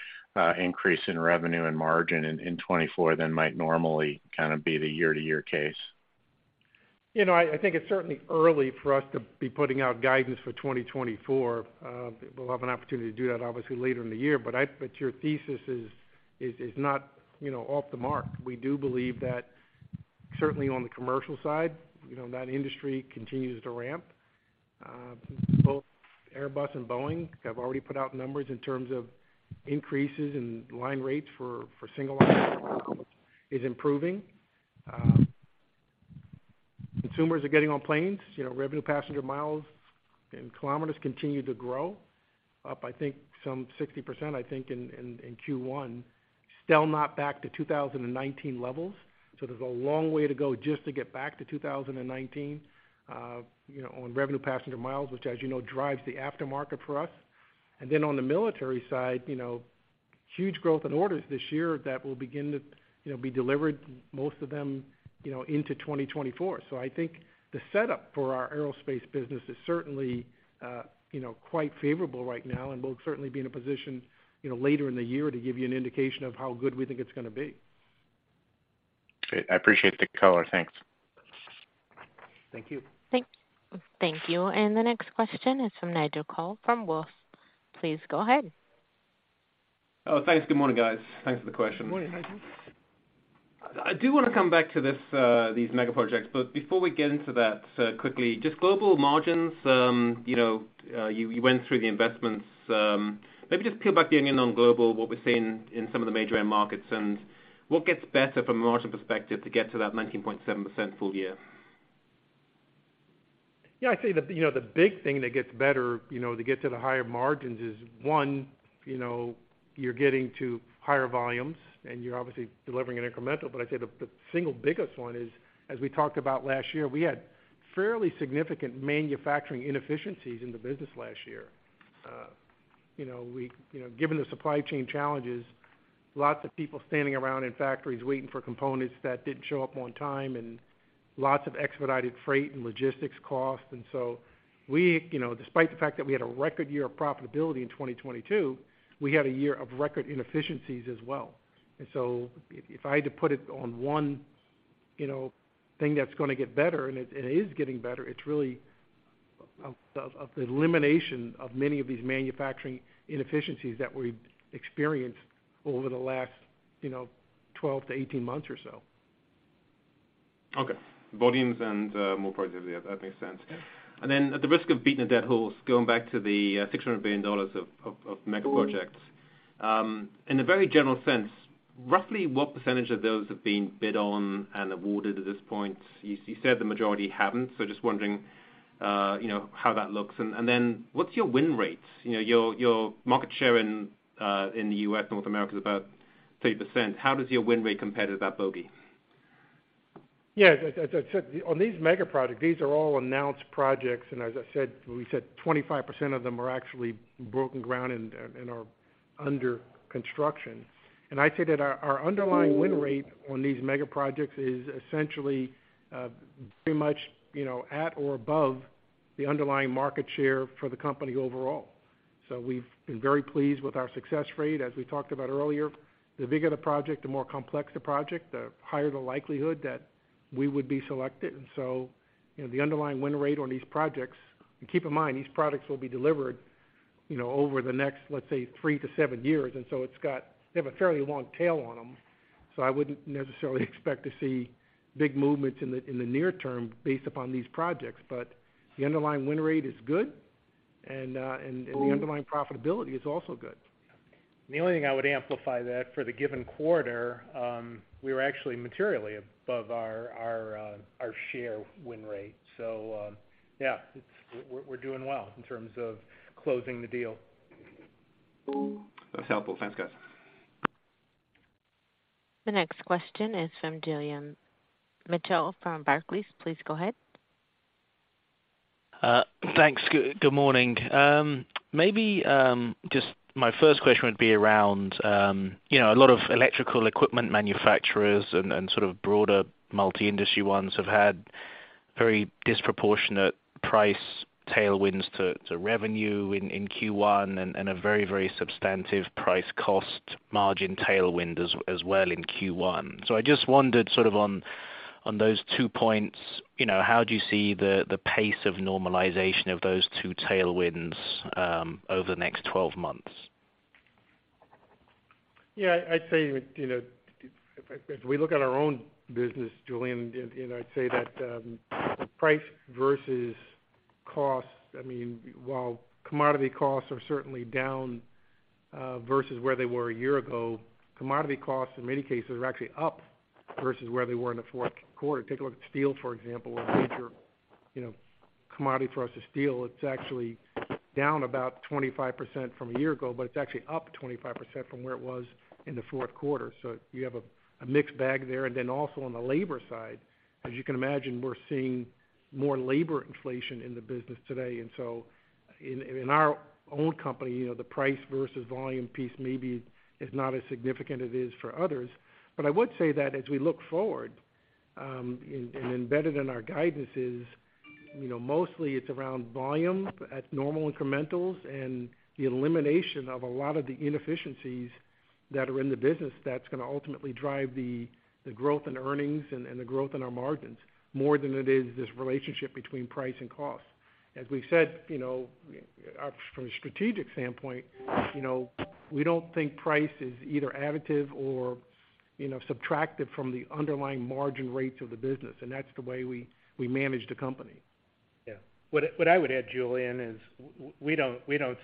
increase in revenue and margin in 2024 than might normally kind of be the year-to-year case. You know, I think it's certainly early for us to be putting out guidance for 2024. We'll have an opportunity to do that obviously later in the year. Your thesis is not, you know, off the mark. We do believe that certainly on the commercial side, you know, that industry continues to ramp. Both Airbus and Boeing have already put out numbers in terms of increases in line rates for single line is improving. Consumers are getting on planes. You know, revenue passenger miles and kilometers continue to grow, up I think some 60%, I think in Q1. Still not back to 2019 levels, there's a long way to go just to get back to 2019, you know, on revenue passenger miles, which as you know, drives the aftermarket for us. On the military side, you know, huge growth in orders this year that will begin to, you know, be delivered, most of them, you know, into 2024. I think the setup for our aerospace business is certainly, you know, quite favorable right now, and we'll certainly be in a position, you know, later in the year to give you an indication of how good we think it's gonna be. Great. I appreciate the color. Thanks. Thank you. Thank you. The next question is from Nigel Coe from Wolfe. Please go ahead. Oh, thanks. Good morning, guys. Thanks for the question. Good morning, Nigel. I do wanna come back to this, these mega projects. Before we get into that, quickly, just global margins, you know, you went through the investments. Maybe just peel back the onion on global, what we're seeing in some of the major end markets, and what gets better from a margin perspective to get to that 19.7% full year. Yeah. I'd say the, you know, the big thing that gets better, you know, to get to the higher margins is one, you know, you're getting to higher volumes, and you're obviously delivering an incremental. I'd say the single biggest one is, as we talked about last year, we had fairly significant manufacturing inefficiencies in the business last year. You know, given the supply chain challenges, lots of people standing around in factories waiting for components that didn't show up on time and lots of expedited freight and logistics costs. We, you know, despite the fact that we had a record year of profitability in 2022, we had a year of record inefficiencies as well. If I had to put it on one, you know, thing that's gonna get better, and it is getting better, it's really of the elimination of many of these manufacturing inefficiencies that we've experienced over the last, you know, 12-18 months or so. Okay. Volumes and, more productivity. That makes sense. Yeah. Then at the risk of beating a dead horse, going back to the, $600 billion of mega projects. In a very general sense, roughly what percentage of those have been bid on and awarded at this point? You said the majority haven't, so just wondering, you know, how that looks. Then what's your win rate? You know, your market share in the U.S. North America's about 30%. How does your win rate compare to that bogey? Yeah. As I said, on these mega projects, these are all announced projects. As I said, we said 25% of them are actually broken ground and are under construction. I'd say that our underlying win rate on these mega projects is essentially pretty much, you know, at or above the underlying market share for the company overall. We've been very pleased with our success rate. As we talked about earlier, the bigger the project, the more complex the project, the higher the likelihood that we would be selected. You know, the underlying win rate on these projects. Keep in mind, these products will be delivered, you know, over the next, let's say, three to seven years, and so they have a fairly long tail on them, so I wouldn't necessarily expect to see big movements in the near term based upon these projects. The underlying win rate is good, and the underlying profitability is also good. The only thing I would amplify that for the given quarter, we were actually materially above our share win rate. Yeah, it's. We're doing well in terms of closing the deal. That's helpful. Thanks, guys. The next question is from Julian Mitchell from Barclays. Please go ahead. Thanks. Good morning. Maybe, just my first question would be around, you know, a lot of electrical equipment manufacturers and sort of broader multi-industry ones have had very disproportionate price tailwinds to revenue in Q1 and a very, very substantive price cost margin tailwind as well in Q1. I just wondered sort of on those two points, you know, how do you see the pace of normalization of those two tailwinds over the next 12 months? I'd say, you know, as we look at our own business, Julian, I'd say that price versus cost, I mean, while commodity costs are certainly down versus where they were a year ago, commodity costs in many cases are actually up versus where they were in the fourth quarter. Take a look at steel, for example, a major, you know, commodity for us is steel. It's actually down about 25% from a year ago, it's actually up 25% from where it was in the fourth quarter. You have a mixed bag there. Also on the labor side, as you can imagine, we're seeing more labor inflation in the business today. In our own company, you know, the price versus volume piece maybe is not as significant as it is for others. I would say that as we look forward, and embedded in our guidance is, you know, mostly it's around volume at normal incrementals and the elimination of a lot of the inefficiencies that are in the business that's gonna ultimately drive the growth in earnings and the growth in our margins more than it is this relationship between price and cost. We've said, you know, from a strategic standpoint, you know, we don't think price is either additive or, you know, subtractive from the underlying margin rates of the business, and that's the way we manage the company. Yeah. What I would add, Julian, is we don't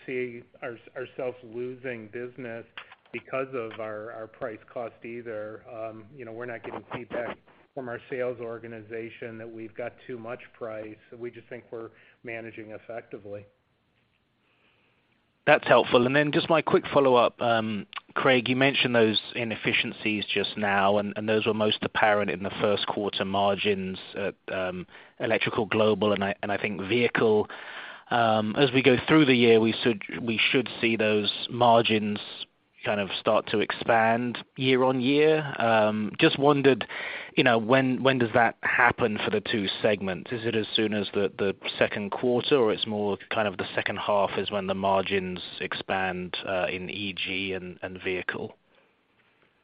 see ourselves losing business because of our price cost either. You know, we're not getting feedback from our sales organization that we've got too much price. We just think we're managing effectively. That's helpful. Then just my quick follow-up. Craig, you mentioned those inefficiencies just now, and those were most apparent in the first quarter margins at Electrical Global and I think Vehicle. As we go through the year, we should see those margins kind of start to expand year-on-year. Just wondered, you know, when does that happen for the two segments? Is it as soon as the second quarter, or it's more kind of the second half is when the margins expand in EG and Vehicle?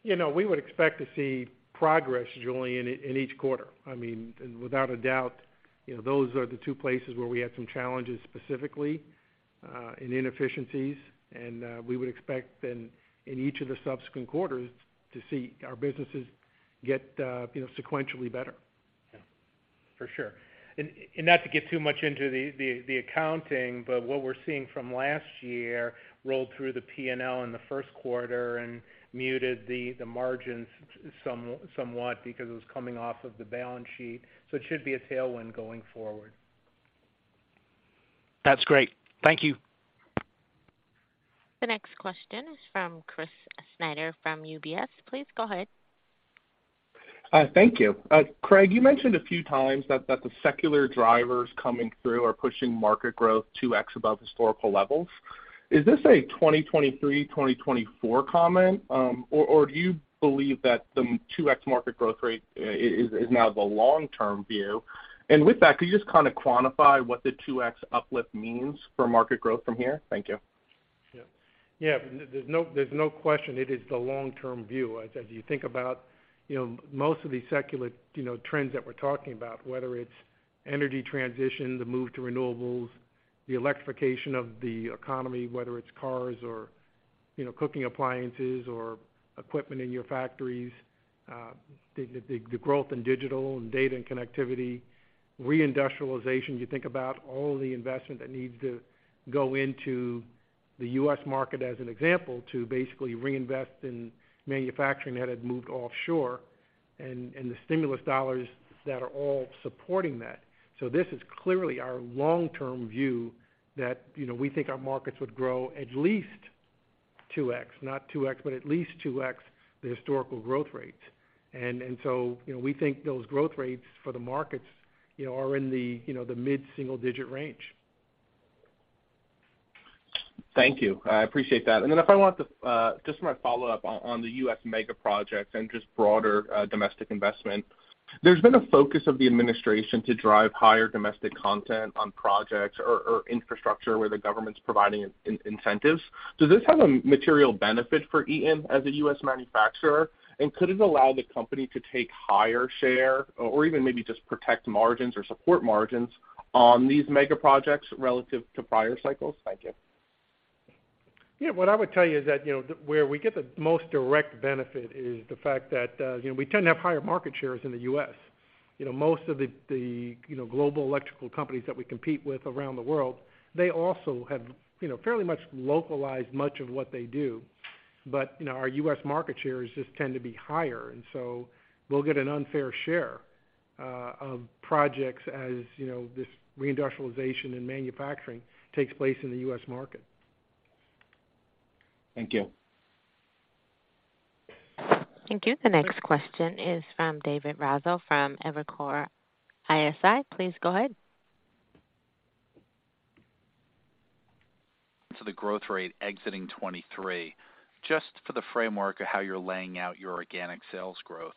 You know, we would expect to see progress, Julian, in each quarter. I mean, without a doubt, you know, those are the two places where we had some challenges specifically, in inefficiencies. We would expect then The next question is from Chris Snyder from UBS. Please go ahead. Thank you. Craig, you mentioned a few times that the secular drivers coming through are pushing market growth 2x above historical levels. Is this a 2023, 2024 comment? Or do you believe that the 2x market growth rate is now the long-term view? With that, could you just kinda quantify what the 2x uplift means for market growth from here? Thank you. Yeah. Yeah. There's no question it is the long-term view. As you think about, you know, most of these secular, you know, trends that we're talking about, whether it's energy transition, the move to renewables, the electrification of the economy, whether it's cars or, you know, cooking appliances or equipment in your factories, the growth in digital and data and connectivity, reindustrialization. You think about all the investment that needs to go into the U.S. market, as an example, to basically reinvest in manufacturing that had moved offshore, and the stimulus dollars that are all supporting that. This is clearly our long-term view that, you know, we think our markets would grow at least 2x. Not 2x, but at least 2x the historical growth rates. You know, we think those growth rates for the markets, you know, are in the, you know, the mid-single digit range. Thank you. I appreciate that. Then if I want to just my follow-up on the U.S. mega projects and just broader domestic investment. There's been a focus of the administration to drive higher domestic content on projects or infrastructure where the government's providing incentives. Does this have a material benefit for Eaton as a U.S. manufacturer? Could it allow the company to take higher share or even maybe just protect margins or support margins on these mega projects relative to prior cycles? Thank you. Yeah. What I would tell you is that, you know, where we get the most direct benefit is the fact that, you know, we tend to have higher market shares in the U.S. You know, most of the, you know, global electrical companies that we compete with around the world, they also have, you know, fairly much localized much of what they do. Our U.S. market shares just tend to be higher, and so we'll get an unfair share of projects as, you know, this reindustrialization and manufacturing takes place in the U.S. market. Thank you. Thank you. The next question is from David Raso from Evercore ISI. Please go ahead. To the growth rate exiting 2023. Just for the framework of how you're laying out your organic sales growth,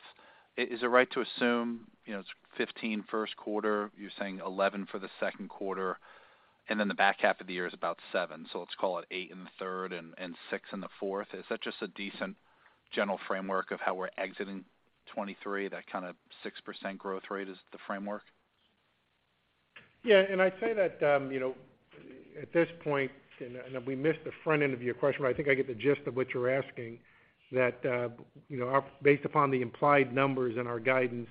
is it right to assume, you know, it's 15% first quarter, you're saying 11% for the second quarter, and then the back half of the year is about 7%. Let's call it 8% in the third and 6% in the fourth. Is that just a decent general framework of how we're exiting 2023, that kind of 6% growth rate is the framework? I'd say that, you know, at this point, and we missed the front end of your question, but I think I get the gist of what you're asking, that, you know, based upon the implied numbers in our guidance,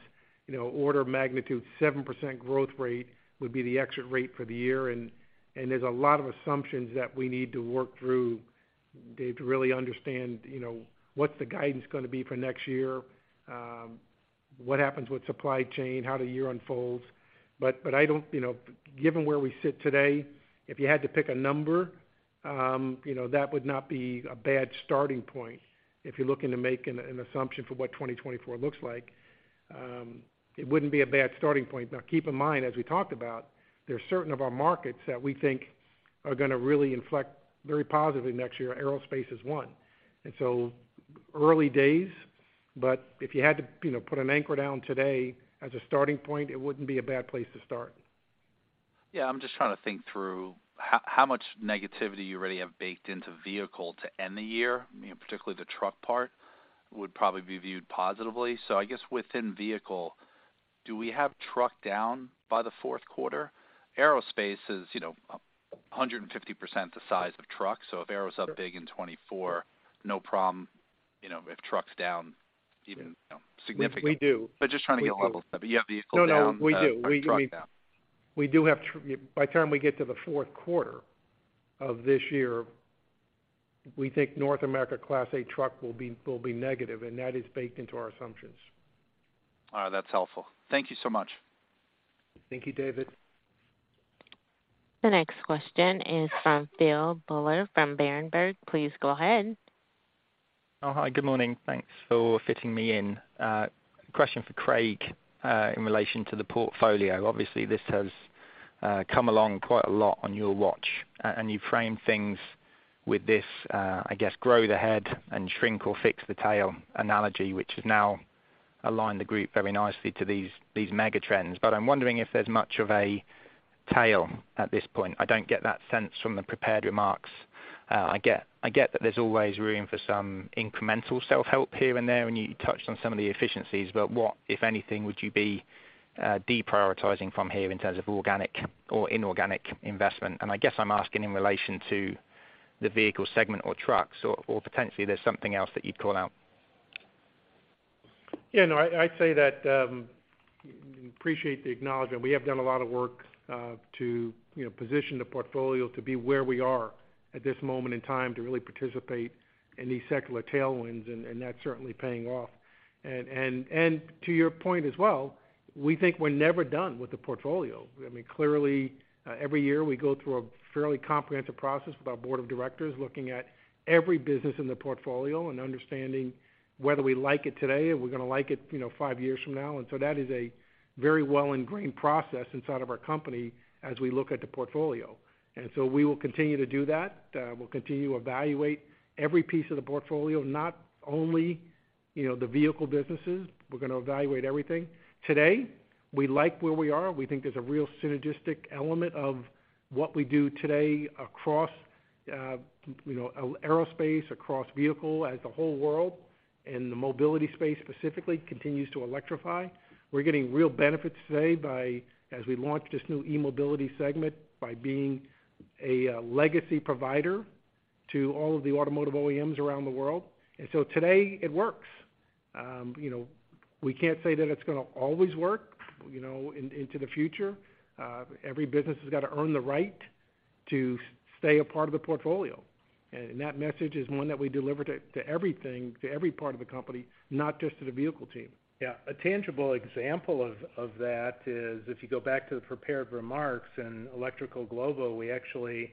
you know, order of magnitude 7% growth rate would be the exit rate for the year, and there's a lot of assumptions that we need to work through, Dave, to really understand, you know, what's the guidance gonna be for next year, what happens with supply chain, how the year unfolds. I don't, you know, given where we sit today, if you had to pick a number, you know, that would not be a bad starting point if you're looking to make an assumption for what 2024 looks like. It wouldn't be a bad starting point. Keep in mind, as we talked about, there are certain of our markets that we think are gonna really inflect very positively next year. Aerospace is one. Early days, but if you had to, you know, put an anchor down today as a starting point, it wouldn't be a bad place to start. Yeah. I'm just trying to think through how much negativity you already have baked into vehicle to end the year, you know, particularly the truck part would probably be viewed positively. I guess within vehicle, do we have truck down by the 4th quarter? Aerospace is, you know, 150% the size of truck. If aero's up big in 2024, no problem, you know, if truck's down even, you know, significantly. We do. but you have the vehicle down- No, no, we do. or truck down. By the time we get to the fourth quarter of this year, we think North America Class eight truck will be negative, and that is baked into our assumptions. All right. That's helpful. Thank you so much. Thank you, David. The next question is from Phil Buller from Berenberg. Please go ahead. Hi. Good morning. Thanks for fitting me in. Question for Craig, in relation to the portfolio. Obviously, this has come along quite a lot on your watch. You frame things with this, I guess, grow the head and shrink or fix the tail analogy, which has now aligned the group very nicely to these megatrends. I'm wondering if there's much of a tail at this point. I don't get that sense from the prepared remarks. I get that there's always room for some incremental self-help here and there, and you touched on some of the efficiencies, but what, if anything, would you be deprioritizing from here in terms of organic or inorganic investment? I guess I'm asking in relation to the vehicle segment or trucks or potentially there's something else that you'd call out. Yeah, no, I'd say that, appreciate the acknowledgement. We have done a lot of work, to, you know, position the portfolio to be where we are at this moment in time to really participate in these secular tailwinds, and that's certainly paying off. To your point as well, we think we're never done with the portfolio. I mean, clearly, every year we go through a fairly comprehensive process with our board of directors, looking at every business in the portfolio and understanding whether we like it today and we're gonna like it, you know, five years from now. That is a very well ingrained process inside of our company as we look at the portfolio. We will continue to do that. We'll continue to evaluate every piece of the portfolio, not only, you know, the vehicle businesses. We're gonna evaluate everything. Today, we like where we are. We think there's a real synergistic element of what we do today across, you know, aerospace, across vehicle, as the whole world and the mobility space specifically continues to electrify. We're getting real benefits today by, as we launch this new eMobility segment, by being a legacy provider to all of the automotive OEMs around the world. Today it works. You know, we can't say that it's gonna always work, you know, into the future. Every business has gotta earn the right to stay a part of the portfolio. That message is one that we deliver to everything, to every part of the company, not just to the vehicle team. Yeah. A tangible example of that is if you go back to the prepared remarks in Electrical Global, we actually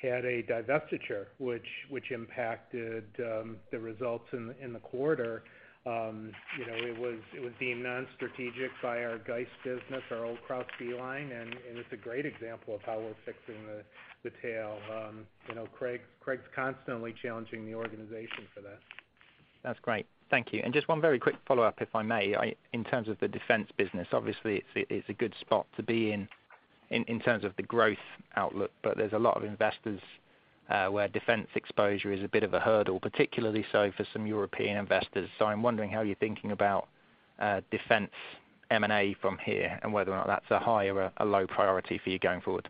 had a divestiture which impacted the results in the quarter. You know, it was deemed non-strategic by our Geist business, our old Kraus M Line, and it's a great example of how we're fixing the tail. You know, Craig's constantly challenging the organization for that. That's great. Thank you. Just one very quick follow-up, if I may. In terms of the defense business, obviously it's a good spot to be in terms of the growth outlook, but there's a lot of investors where defense exposure is a bit of a hurdle, particularly so for some European investors. I'm wondering how you're thinking about defense M&A from here and whether or not that's a high or a low priority for you going forward.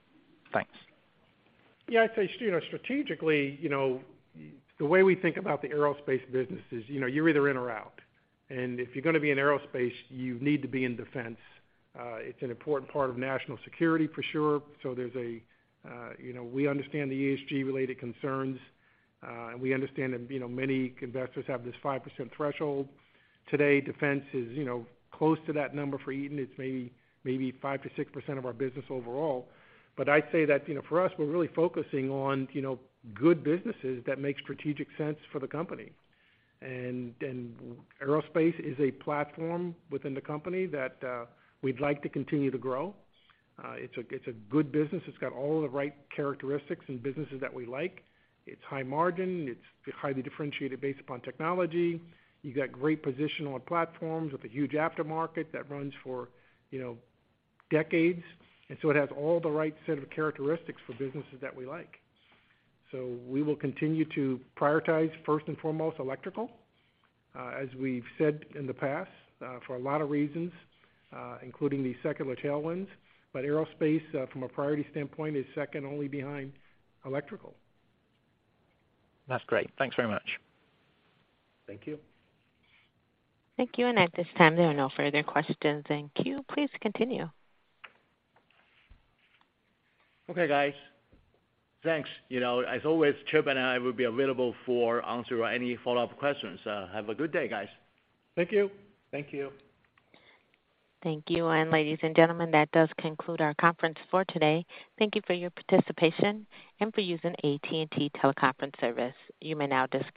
Thanks. Yeah, I'd say, Stuart, strategically, you know, the way we think about the aerospace business is, you know, you're either in or out. If you're gonna be in aerospace, you need to be in defense. It's an important part of national security for sure, so there's a, you know... We understand the ESG related concerns. We understand that, you know, many investors have this 5% threshold. Today, defense is, you know, close to that number for Eaton. It's maybe 5%-6% of our business overall. I'd say that, you know, for us, we're really focusing on, you know, good businesses that make strategic sense for the company. Aerospace is a platform within the company that we'd like to continue to grow. It's a good business. It's got all the right characteristics and businesses that we like. It's high margin. It's highly differentiated based upon technology. You got great position on platforms with a huge aftermarket that runs for, you know, decades. It has all the right set of characteristics for businesses that we like. We will continue to prioritize first and foremost electrical, as we've said in the past, for a lot of reasons, including these secular tailwinds. Aerospace, from a priority standpoint is second only behind electrical. That's great. Thanks very much. Thank you. Thank you. At this time, there are no further questions in queue. Please continue. Okay, guys. Thanks. You know, as always, Chip and I will be available for answer any follow-up questions. Have a good day, guys. Thank you. Thank you. Thank you. Ladies and gentlemen, that does conclude our conference for today. Thank you for your participation and for using AT&T TeleConference Services. You may now disconnect.